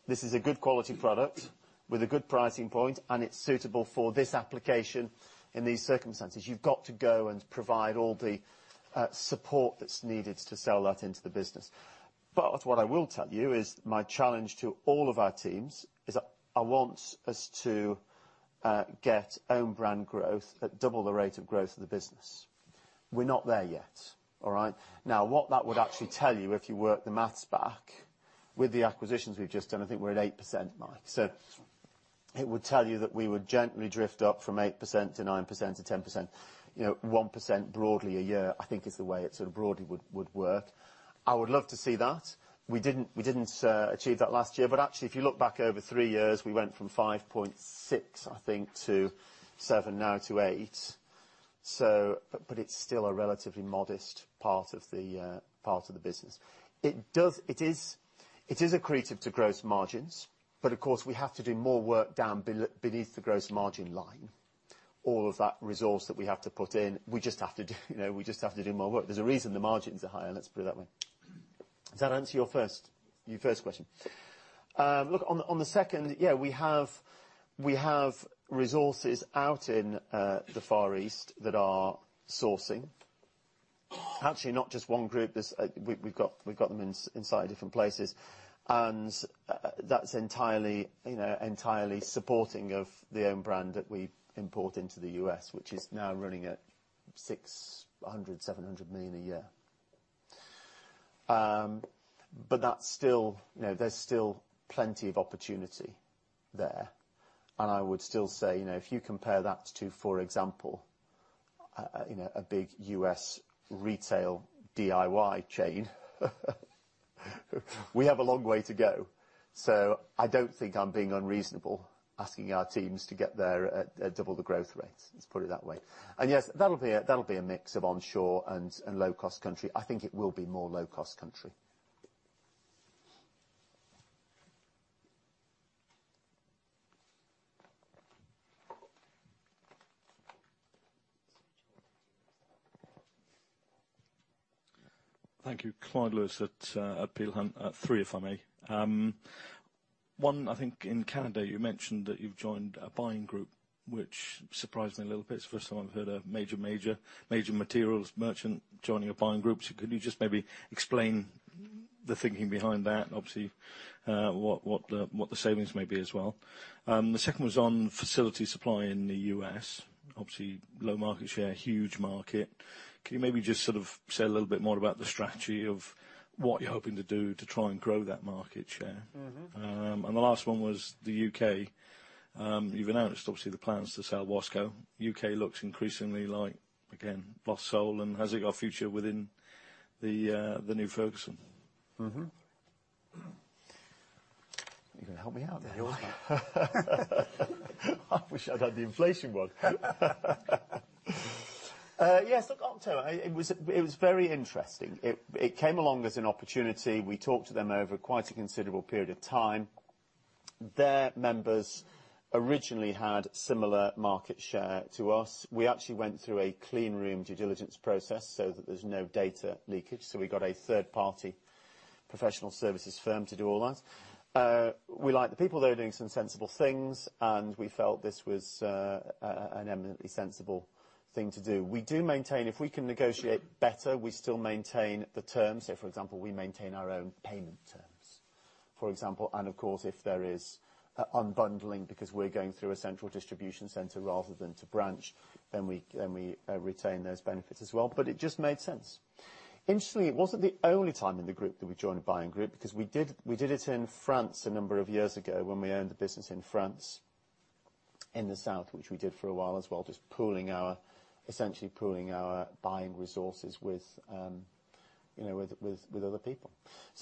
this is a good quality product with a good pricing point and it's suitable for this application in these circumstances. You've got to go and provide all the support that's needed to sell that into the business. What I will tell you is my challenge to all of our teams is I want us to get own brand growth at double the rate of growth of the business. We're not there yet, all right? What that would actually tell you, if you work the math back, with the acquisitions we've just done, I think we're at 8%, Mike. It would tell you that we would gently drift up from 8% to 9% to 10%. You know, 1% broadly a year, I think is the way it sort of broadly would work. I would love to see that. We didn't achieve that last year. Actually, if you look back over three years, we went from 5.6, I think, to seven now to eight. It's still a relatively modest part of the part of the business. It is accretive to gross margins. Of course, we have to do more work down beneath the gross margin line. All of that resource that we have to put in, we just have to do, you know, we just have to do more work. There's a reason the margins are higher, let's put it that way. Does that answer your first question? Look, we have resources out in the Far East that are sourcing. Actually, not just one group. We've got them in slightly different places. That's entirely, you know, entirely supporting of the own brand that we import into the U.S., which is now running at $600 million-$700 million a year. That's still, you know, there's still plenty of opportunity there. I would still say, you know, if you compare that to, for example, you know, a big U.S. retail DIY chain, we have a long way to go. I don't think I'm being unreasonable asking our teams to get there at double the growth rates. Let's put it that way. Yes, that'll be a mix of onshore and low-cost country. I think it will be more low-cost country. Thank you. Clyde Lewis at Peel Hunt. three, if I may. One, I think in Canada, you mentioned that you've joined a buying group, which surprised me a little bit. It's the first time I've heard a major materials merchant joining a buying group. Could you just maybe explain the thinking behind that? What the savings may be as well. The second was on facility supply in the U.S. Low market share, huge market. Can you maybe just sort of say a little bit more about the strategy of what you're hoping to do to try and grow that market share? The last one was the U.K. You've announced obviously the plans to sell Wasco. U.K. looks increasingly like, again, Brossette. Has it got a future within the new Ferguson? You gonna help me out there, Mike, I wish I'd had the inflation one. Yes, look, I'll tell you, it was very interesting. It came along as an opportunity. We talked to them over quite a considerable period of time. Their members originally had similar market share to us. We actually went through a clean room due diligence process so that there's no data leakage. We got a third-party professional services firm to do all that. We like the people. They were doing some sensible things, and we felt this was an eminently sensible thing to do. We do maintain, if we can negotiate better, we still maintain the terms. Say, for example, we maintain our own payment terms, for example. Of course, if there is unbundling because we're going through a central distribution center rather than to branch, then we retain those benefits as well. It just made sense. Interestingly, it wasn't the only time in the group that we joined a buying group, because we did it in France a number of years ago when we owned the business in France, in the south, which we did for a while as well, just pooling our essentially pooling our buying resources with, you know, with other people.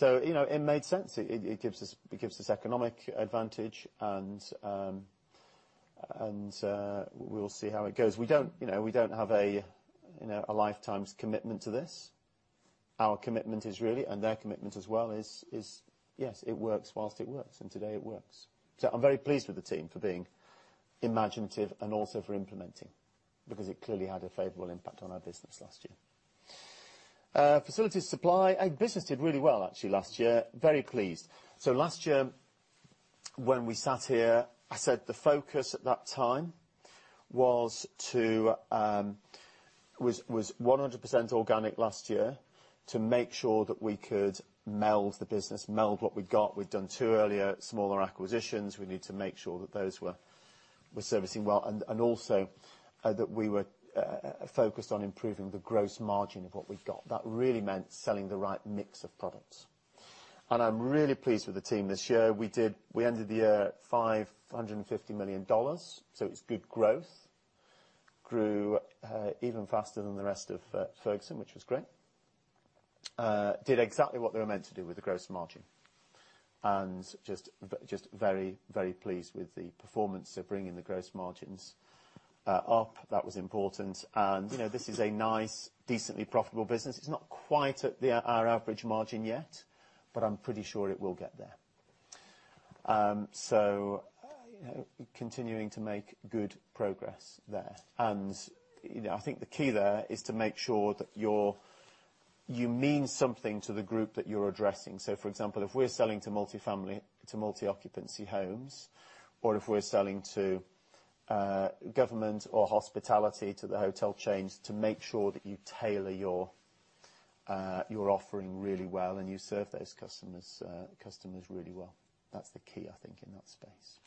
You know, it made sense. It gives us economic advantage and we'll see how it goes. We don't, you know, we don't have a, you know, a lifetime's commitment to this. Our commitment is really, and their commitment as well, is yes, it works while it works, and today it works. I'm very pleased with the team for being imaginative and also for implementing, because it clearly had a favorable impact on our business last year. Facilities supply. Our business did really well actually last year. Very pleased. Last year when we sat here, I said the focus at that time was to 100% organic last year to make sure that we could meld the business, meld what we've got. We've done two earlier smaller acquisitions. We need to make sure that those were servicing well, and also that we were focused on improving the gross margin of what we've got. That really meant selling the right mix of products. I'm really pleased with the team this year. We ended the year at $550 million, so it's good growth. Grew even faster than the rest of Ferguson, which was great. Did exactly what they were meant to do with the gross margin. Just very, very pleased with the performance of bringing the gross margins up. That was important. You know, this is a nice, decently profitable business. It's not quite at our average margin yet, but I'm pretty sure it will get there. You know, continuing to make good progress there. You know, I think the key there is to make sure that you mean something to the group that you're addressing. For example, if we're selling to multifamily, to multi-occupancy homes, or if we're selling to government or hospitality to the hotel chains, to make sure that you tailor your offering really well and you serve those customers really well. That's the key, I think, in that space.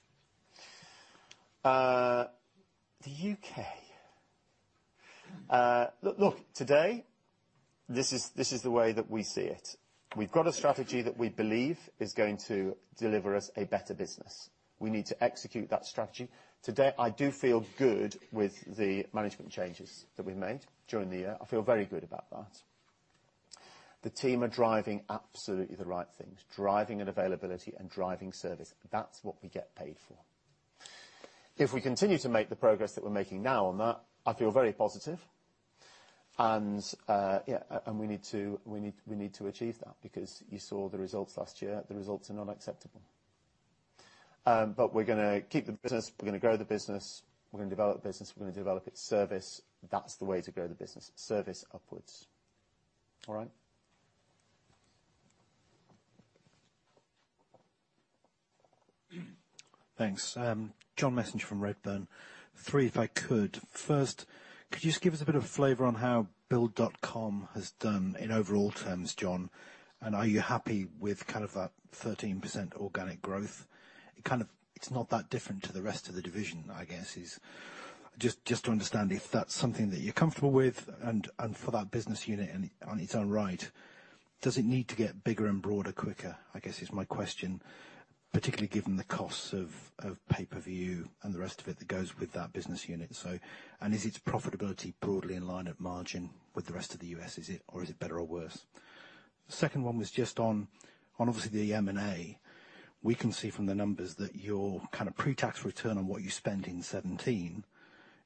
The U.K. Look, today, this is the way that we see it. We've got a strategy that we believe is going to deliver us a better business. We need to execute that strategy. Today, I do feel good with the management changes that we've made during the year. I feel very good about that. The team are driving absolutely the right things, driving an availability and driving service. That's what we get paid for. If we continue to make the progress that we're making now on that, I feel very positive. Yeah, we need to achieve that because you saw the results last year. The results are not acceptable. We're gonna keep the business, we're gonna grow the business, we're gonna develop the business, we're gonna develop its service. That's the way to grow the business. Service upwards. All right. Thanks. John Messenger from Redburn. three, if I could. First, could you just give us a bit of flavor on how Build.com has done in overall terms, John? Are you happy with kind of that 13% organic growth? It's not that different to the rest of the division, I guess. Just to understand if that's something that you're comfortable with and for that business unit on its own right. Does it need to get bigger and broader quicker, I guess is my question, particularly given the costs of pay-per-click and the rest of it that goes with that business unit. Is its profitability broadly in line at margin with the rest of the U.S., is it, or is it better or worse? Second one was just on obviously the M&A. We can see from the numbers that your kind of pre-tax return on what you spent in 2017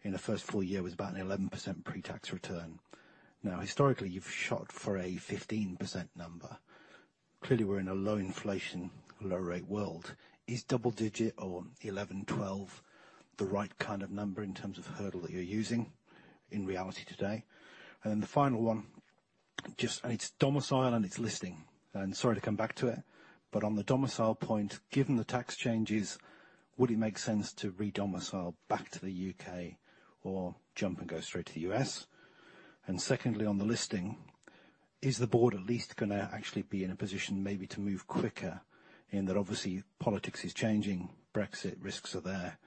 in the first full year was about an 11% pre-tax return. Historically, you've shot for a 15% number. Clearly, we're in a low inflation, low rate world. Is double digit or 11%, 12% the right kind of number in terms of hurdle that you're using in reality today? Then the final one, just, its domicile and its listing. Sorry to come back to it, but on the domicile point, given the tax changes, would it make sense to re-domicile back to the U.K. or jump and go straight to the U.S.? Secondly, on the listing, is the board at least gonna actually be in a position maybe to move quicker? In that obviously, politics is changing, Brexit risks are there.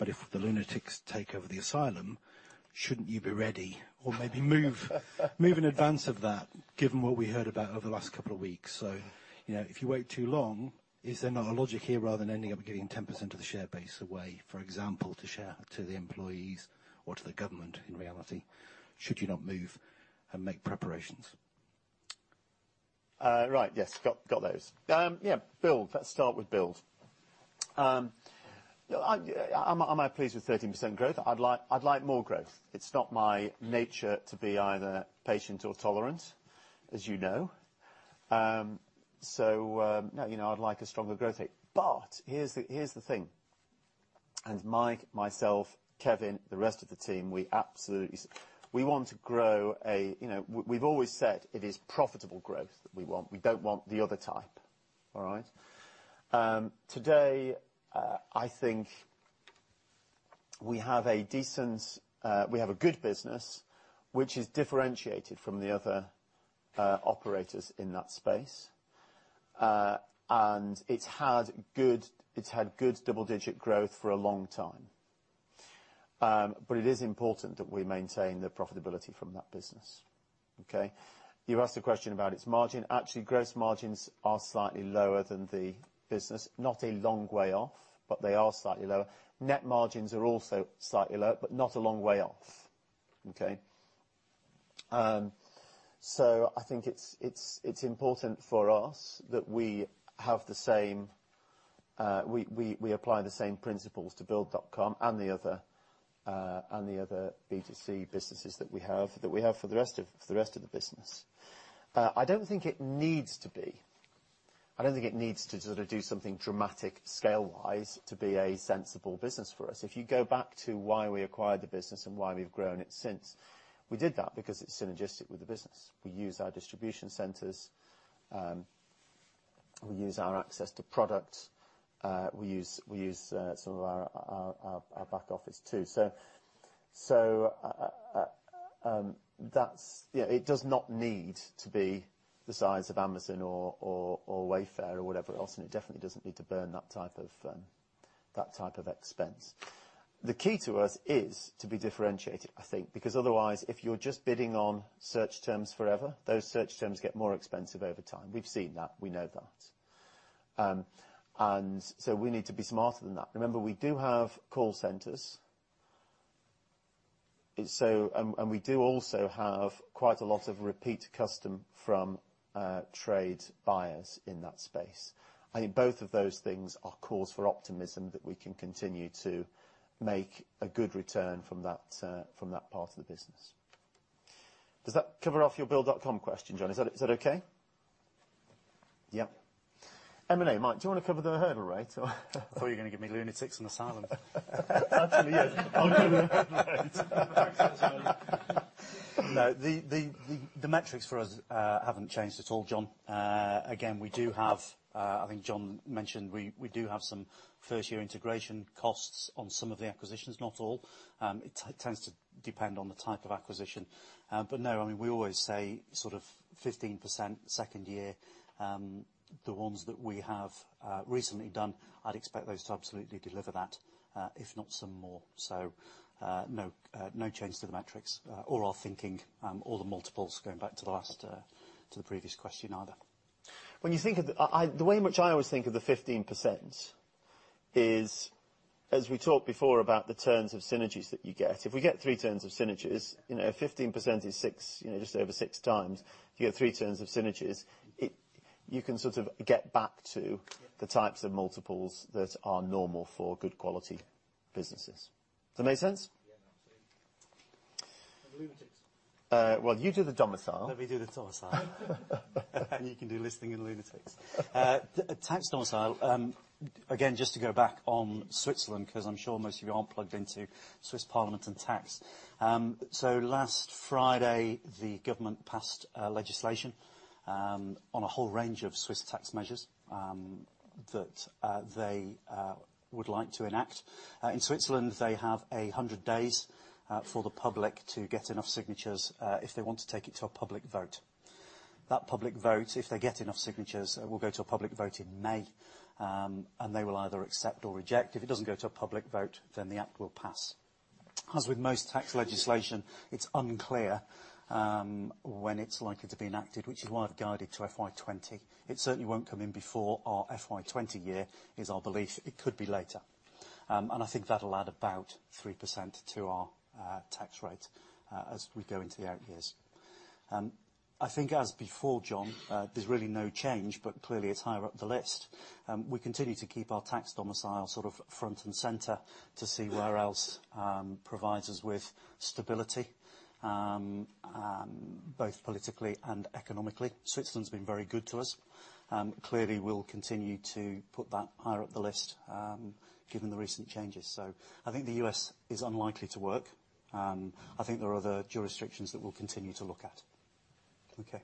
If the lunatics take over the asylum, shouldn't you be ready? Maybe move in advance of that, given what we heard about over the last couple of weeks. You know, if you wait too long, is there not a logic here rather than ending up giving 10% of the share base away, for example, to share to the employees or to the government in reality? Should you not move and make preparations? Right. Yes. Got those. Yeah, Build. Let's start with Build. Am I pleased with 13% growth? I'd like more growth. It's not my nature to be either patient or tolerant, as you know. You know, I'd like a stronger growth rate. Here's the thing. Mike, myself, Kevin, the rest of the team, we absolutely want to grow, you know, we've always said it is profitable growth that we want. We don't want the other type, all right? Today, I think we have a decent, a good business which is differentiated from the other operators in that space. It's had good double-digit growth for a long time. It is important that we maintain the profitability from that business. Okay? You asked a question about its margin. Actually, gross margins are slightly lower than the business. Not a long way off, but they are slightly lower. Net margins are also slightly lower, but not a long way off. Okay. I think it's important for us that we have the same, we apply the same principles to Build.com and the other B2C businesses that we have for the rest of the business. I don't think it needs to be. I don't think it needs to sort of do something dramatic scale-wise to be a sensible business for us. If you go back to why we acquired the business and why we've grown it since, we did that because it's synergistic with the business. We use our distribution centers, we use our access to product, we use some of our back office too. That's, you know, it does not need to be the size of Amazon or Wayfair or whatever else, and it definitely doesn't need to burn that type of expense. The key to us is to be differentiated, I think, because otherwise, if you're just bidding on search terms forever, those search terms get more expensive over time. We've seen that. We know that. We need to be smarter than that. Remember, we do have call centers. We do also have quite a lot of repeat custom from trade buyers in that space. I think both of those things are cause for optimism that we can continue to make a good return from that, from that part of the business. Does that cover off your Build.com question, John? Is that okay? Yeah. M&A, Mike, do you want to cover the hurdle rate [or]? I thought you were gonna give me lunatics and asylum. Actually, yeah. I'll do the hurdle rates. No. The metrics for us haven't changed at all, John. Again, we do have, I think John mentioned, we do have some first year integration costs on some of the acquisitions, not all. It tends to depend on the type of acquisition. No, I mean, we always say sort of 15% second year. The ones that we have recently done, I'd expect those to absolutely deliver that, if not some more. No, no change to the metrics or our thinking or the multiples going back to the last to the previous question either. When you think of the way in which I always think of the 15% is, as we talked before about the turns of synergies that you get, if we get three turns of synergies, you know, 15% is six, you know, just over 6 times. If you get three turns of synergies, you can sort of get back to the types of multiples that are normal for good quality businesses. Does that make sense? Yeah, absolutely. lunatics. Well, you do the domicile. Let me do the domicile. You can do listing and lunatics. Tax domicile, again, just to go back on Switzerland, because I'm sure most of you aren't plugged into Swiss Parliament and tax. Last Friday, the government passed legislation on a whole range of Swiss tax measures that they would like to enact. In Switzerland, they have 100 days for the public to get enough signatures if they want to take it to a public vote. That public vote, if they get enough signatures, will go to a public vote in May, and they will either accept or reject. If it doesn't go to a public vote, the act will pass. As with most tax legislation, it's unclear when it's likely to be enacted, which is why I've guided to FY 2020. It certainly won't come in before our FY 2020 year is our belief. It could be later. I think that'll add about 3% to our tax rate as we go into the out years. I think as before, John, there's really no change, clearly it's higher up the list. We continue to keep our tax domicile sort of front and center to see where else provides us with stability both politically and economically. Switzerland's been very good to us. Clearly we'll continue to put that higher up the list given the recent changes. I think the U.S. is unlikely to work. I think there are other jurisdictions that we'll continue to look at. Okay.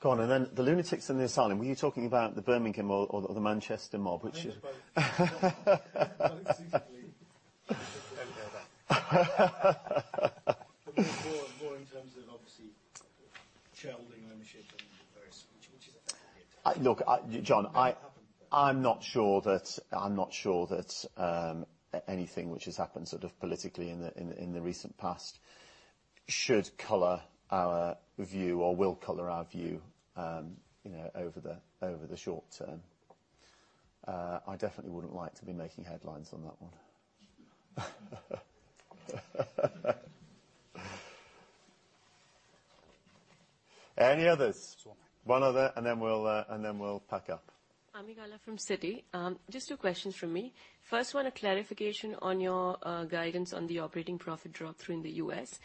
Go on. Then the lunatics and the asylum, were you talking about the Birmingham or the Manchester mob? I meant both. Both equally. Don't go there. More in terms of obviously shareholding ownership and various, which is a. Look, I, John. It happened. I'm not sure that anything which has happened sort of politically in the recent past should color our view or will color our view, you know, over the short term. I definitely wouldn't like to be making headlines on that one. Any others? Just one more. One other, and then we'll pack up. Ami Galla from Citi. Just two questions from me. First one, a clarification on your guidance on the operating profit drop through in the U.S.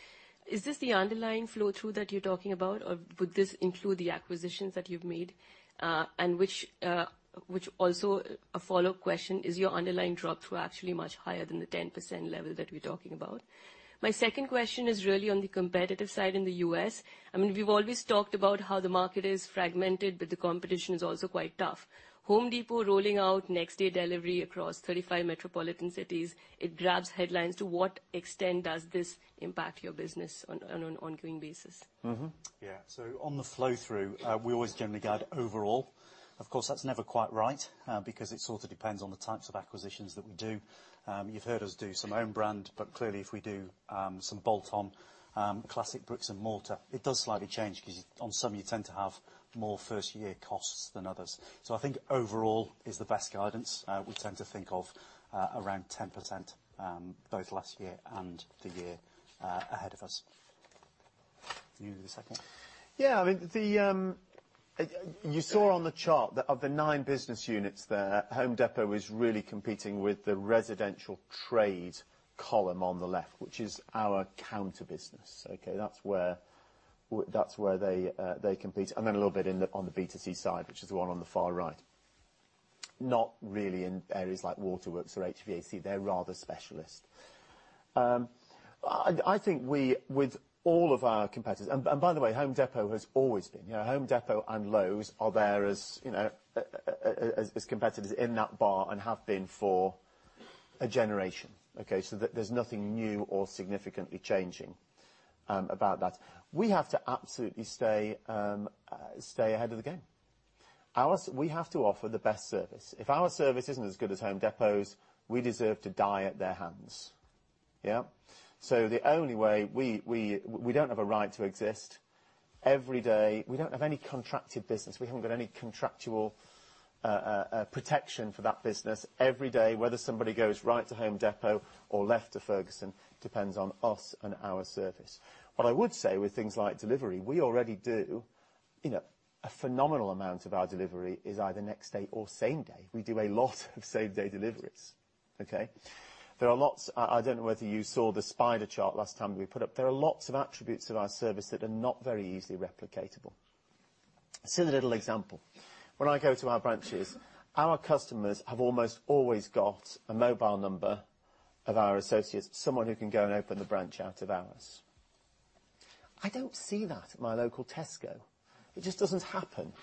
Is this the underlying flow through that you're talking about? Or would this include the acquisitions that you've made? Which also a follow-up question, is your underlying drop through actually much higher than the 10% level that we're talking about? My second question is really on the competitive side in the U.S. I mean, we've always talked about how the market is fragmented, but the competition is also quite tough. The Home Depot rolling out next day delivery across 35 metropolitan cities, it grabs headlines. To what extent does this impact your business on an ongoing basis? Yeah. On the flow through, we always generally guide overall. Of course, that's never quite right, because it sort of depends on the types of acquisitions that we do. You've heard us do some own brand, but clearly if we do some bolt on, classic bricks and mortar, it does slightly change 'cause on some, you tend to have more first year costs than others. I think overall is the best guidance. We tend to think of around 10%, both last year and the year ahead of us. You the second. Yeah, I mean, you saw on the chart that of the nine business units there, The Home Depot is really competing with the residential trade column on the left, which is our counter business. Okay. That's where they compete. Then a little bit in the, on the B2C side, which is the one on the far right. Not really in areas like Waterworks or HVAC. They're rather specialist. I think we, with all of our competitors, by the way, The Home Depot has always been. You know, The Home Depot and Lowe's are there as, you know, as competitors in that bar and have been for a generation. Okay. There's nothing new or significantly changing about that. We have to absolutely stay ahead of the game. We have to offer the best service. If our service isn't as good as Home Depot's, we deserve to die at their hands. Yeah. The only way We don't have a right to exist. Every day, we don't have any contracted business. We haven't got any contractual protection for that business. Every day, whether somebody goes right to Home Depot or left to Ferguson, depends on us and our service. What I would say with things like delivery, we already do, you know, a phenomenal amount of our delivery is either next day or same day. We do a lot of same day deliveries. Okay. There are lots I don't know whether you saw the spider chart last time we put up. There are lots of attributes of our service that are not very easily replicatable. Silly little example. When I go to our branches, our customers have almost always got a mobile number of our associates, someone who can go and open the branch out of hours. I don't see that at my local Tesco. It just doesn't happen.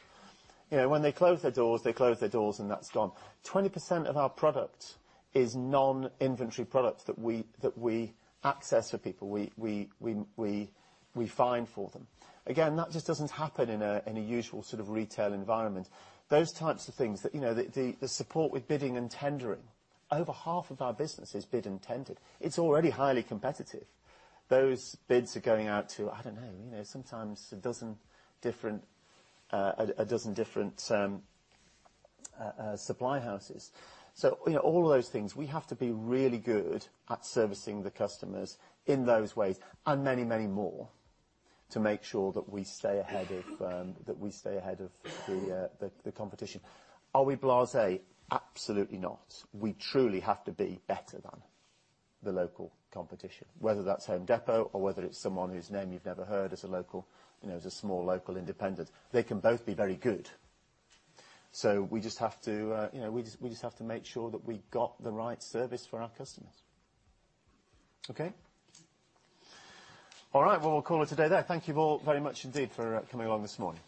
You know, when they close their doors, they close their doors and that's gone. 20% of our product is non-inventory product that we, that we access for people, we find for them. Again, that just doesn't happen in a usual sort of retail environment. Those types of things that, you know, the support with bidding and tendering. Over half of our business is bid and tendered. It's already highly competitive. Those bids are going out to, I don't know, you know, sometimes 12 different supply houses. You know, all of those things, we have to be really good at servicing the customers in those ways and many, many more to make sure that we stay ahead of the competition. Are we blasé? Absolutely not. We truly have to be better than the local competition, whether that's Home Depot or whether it's someone whose name you've never heard as a local, you know, as a small local independent. They can both be very good. We just have to, you know, we just have to make sure that we've got the right service for our customers. Okay? All right. We'll call it a day there. Thank you all very much indeed for coming along this morning.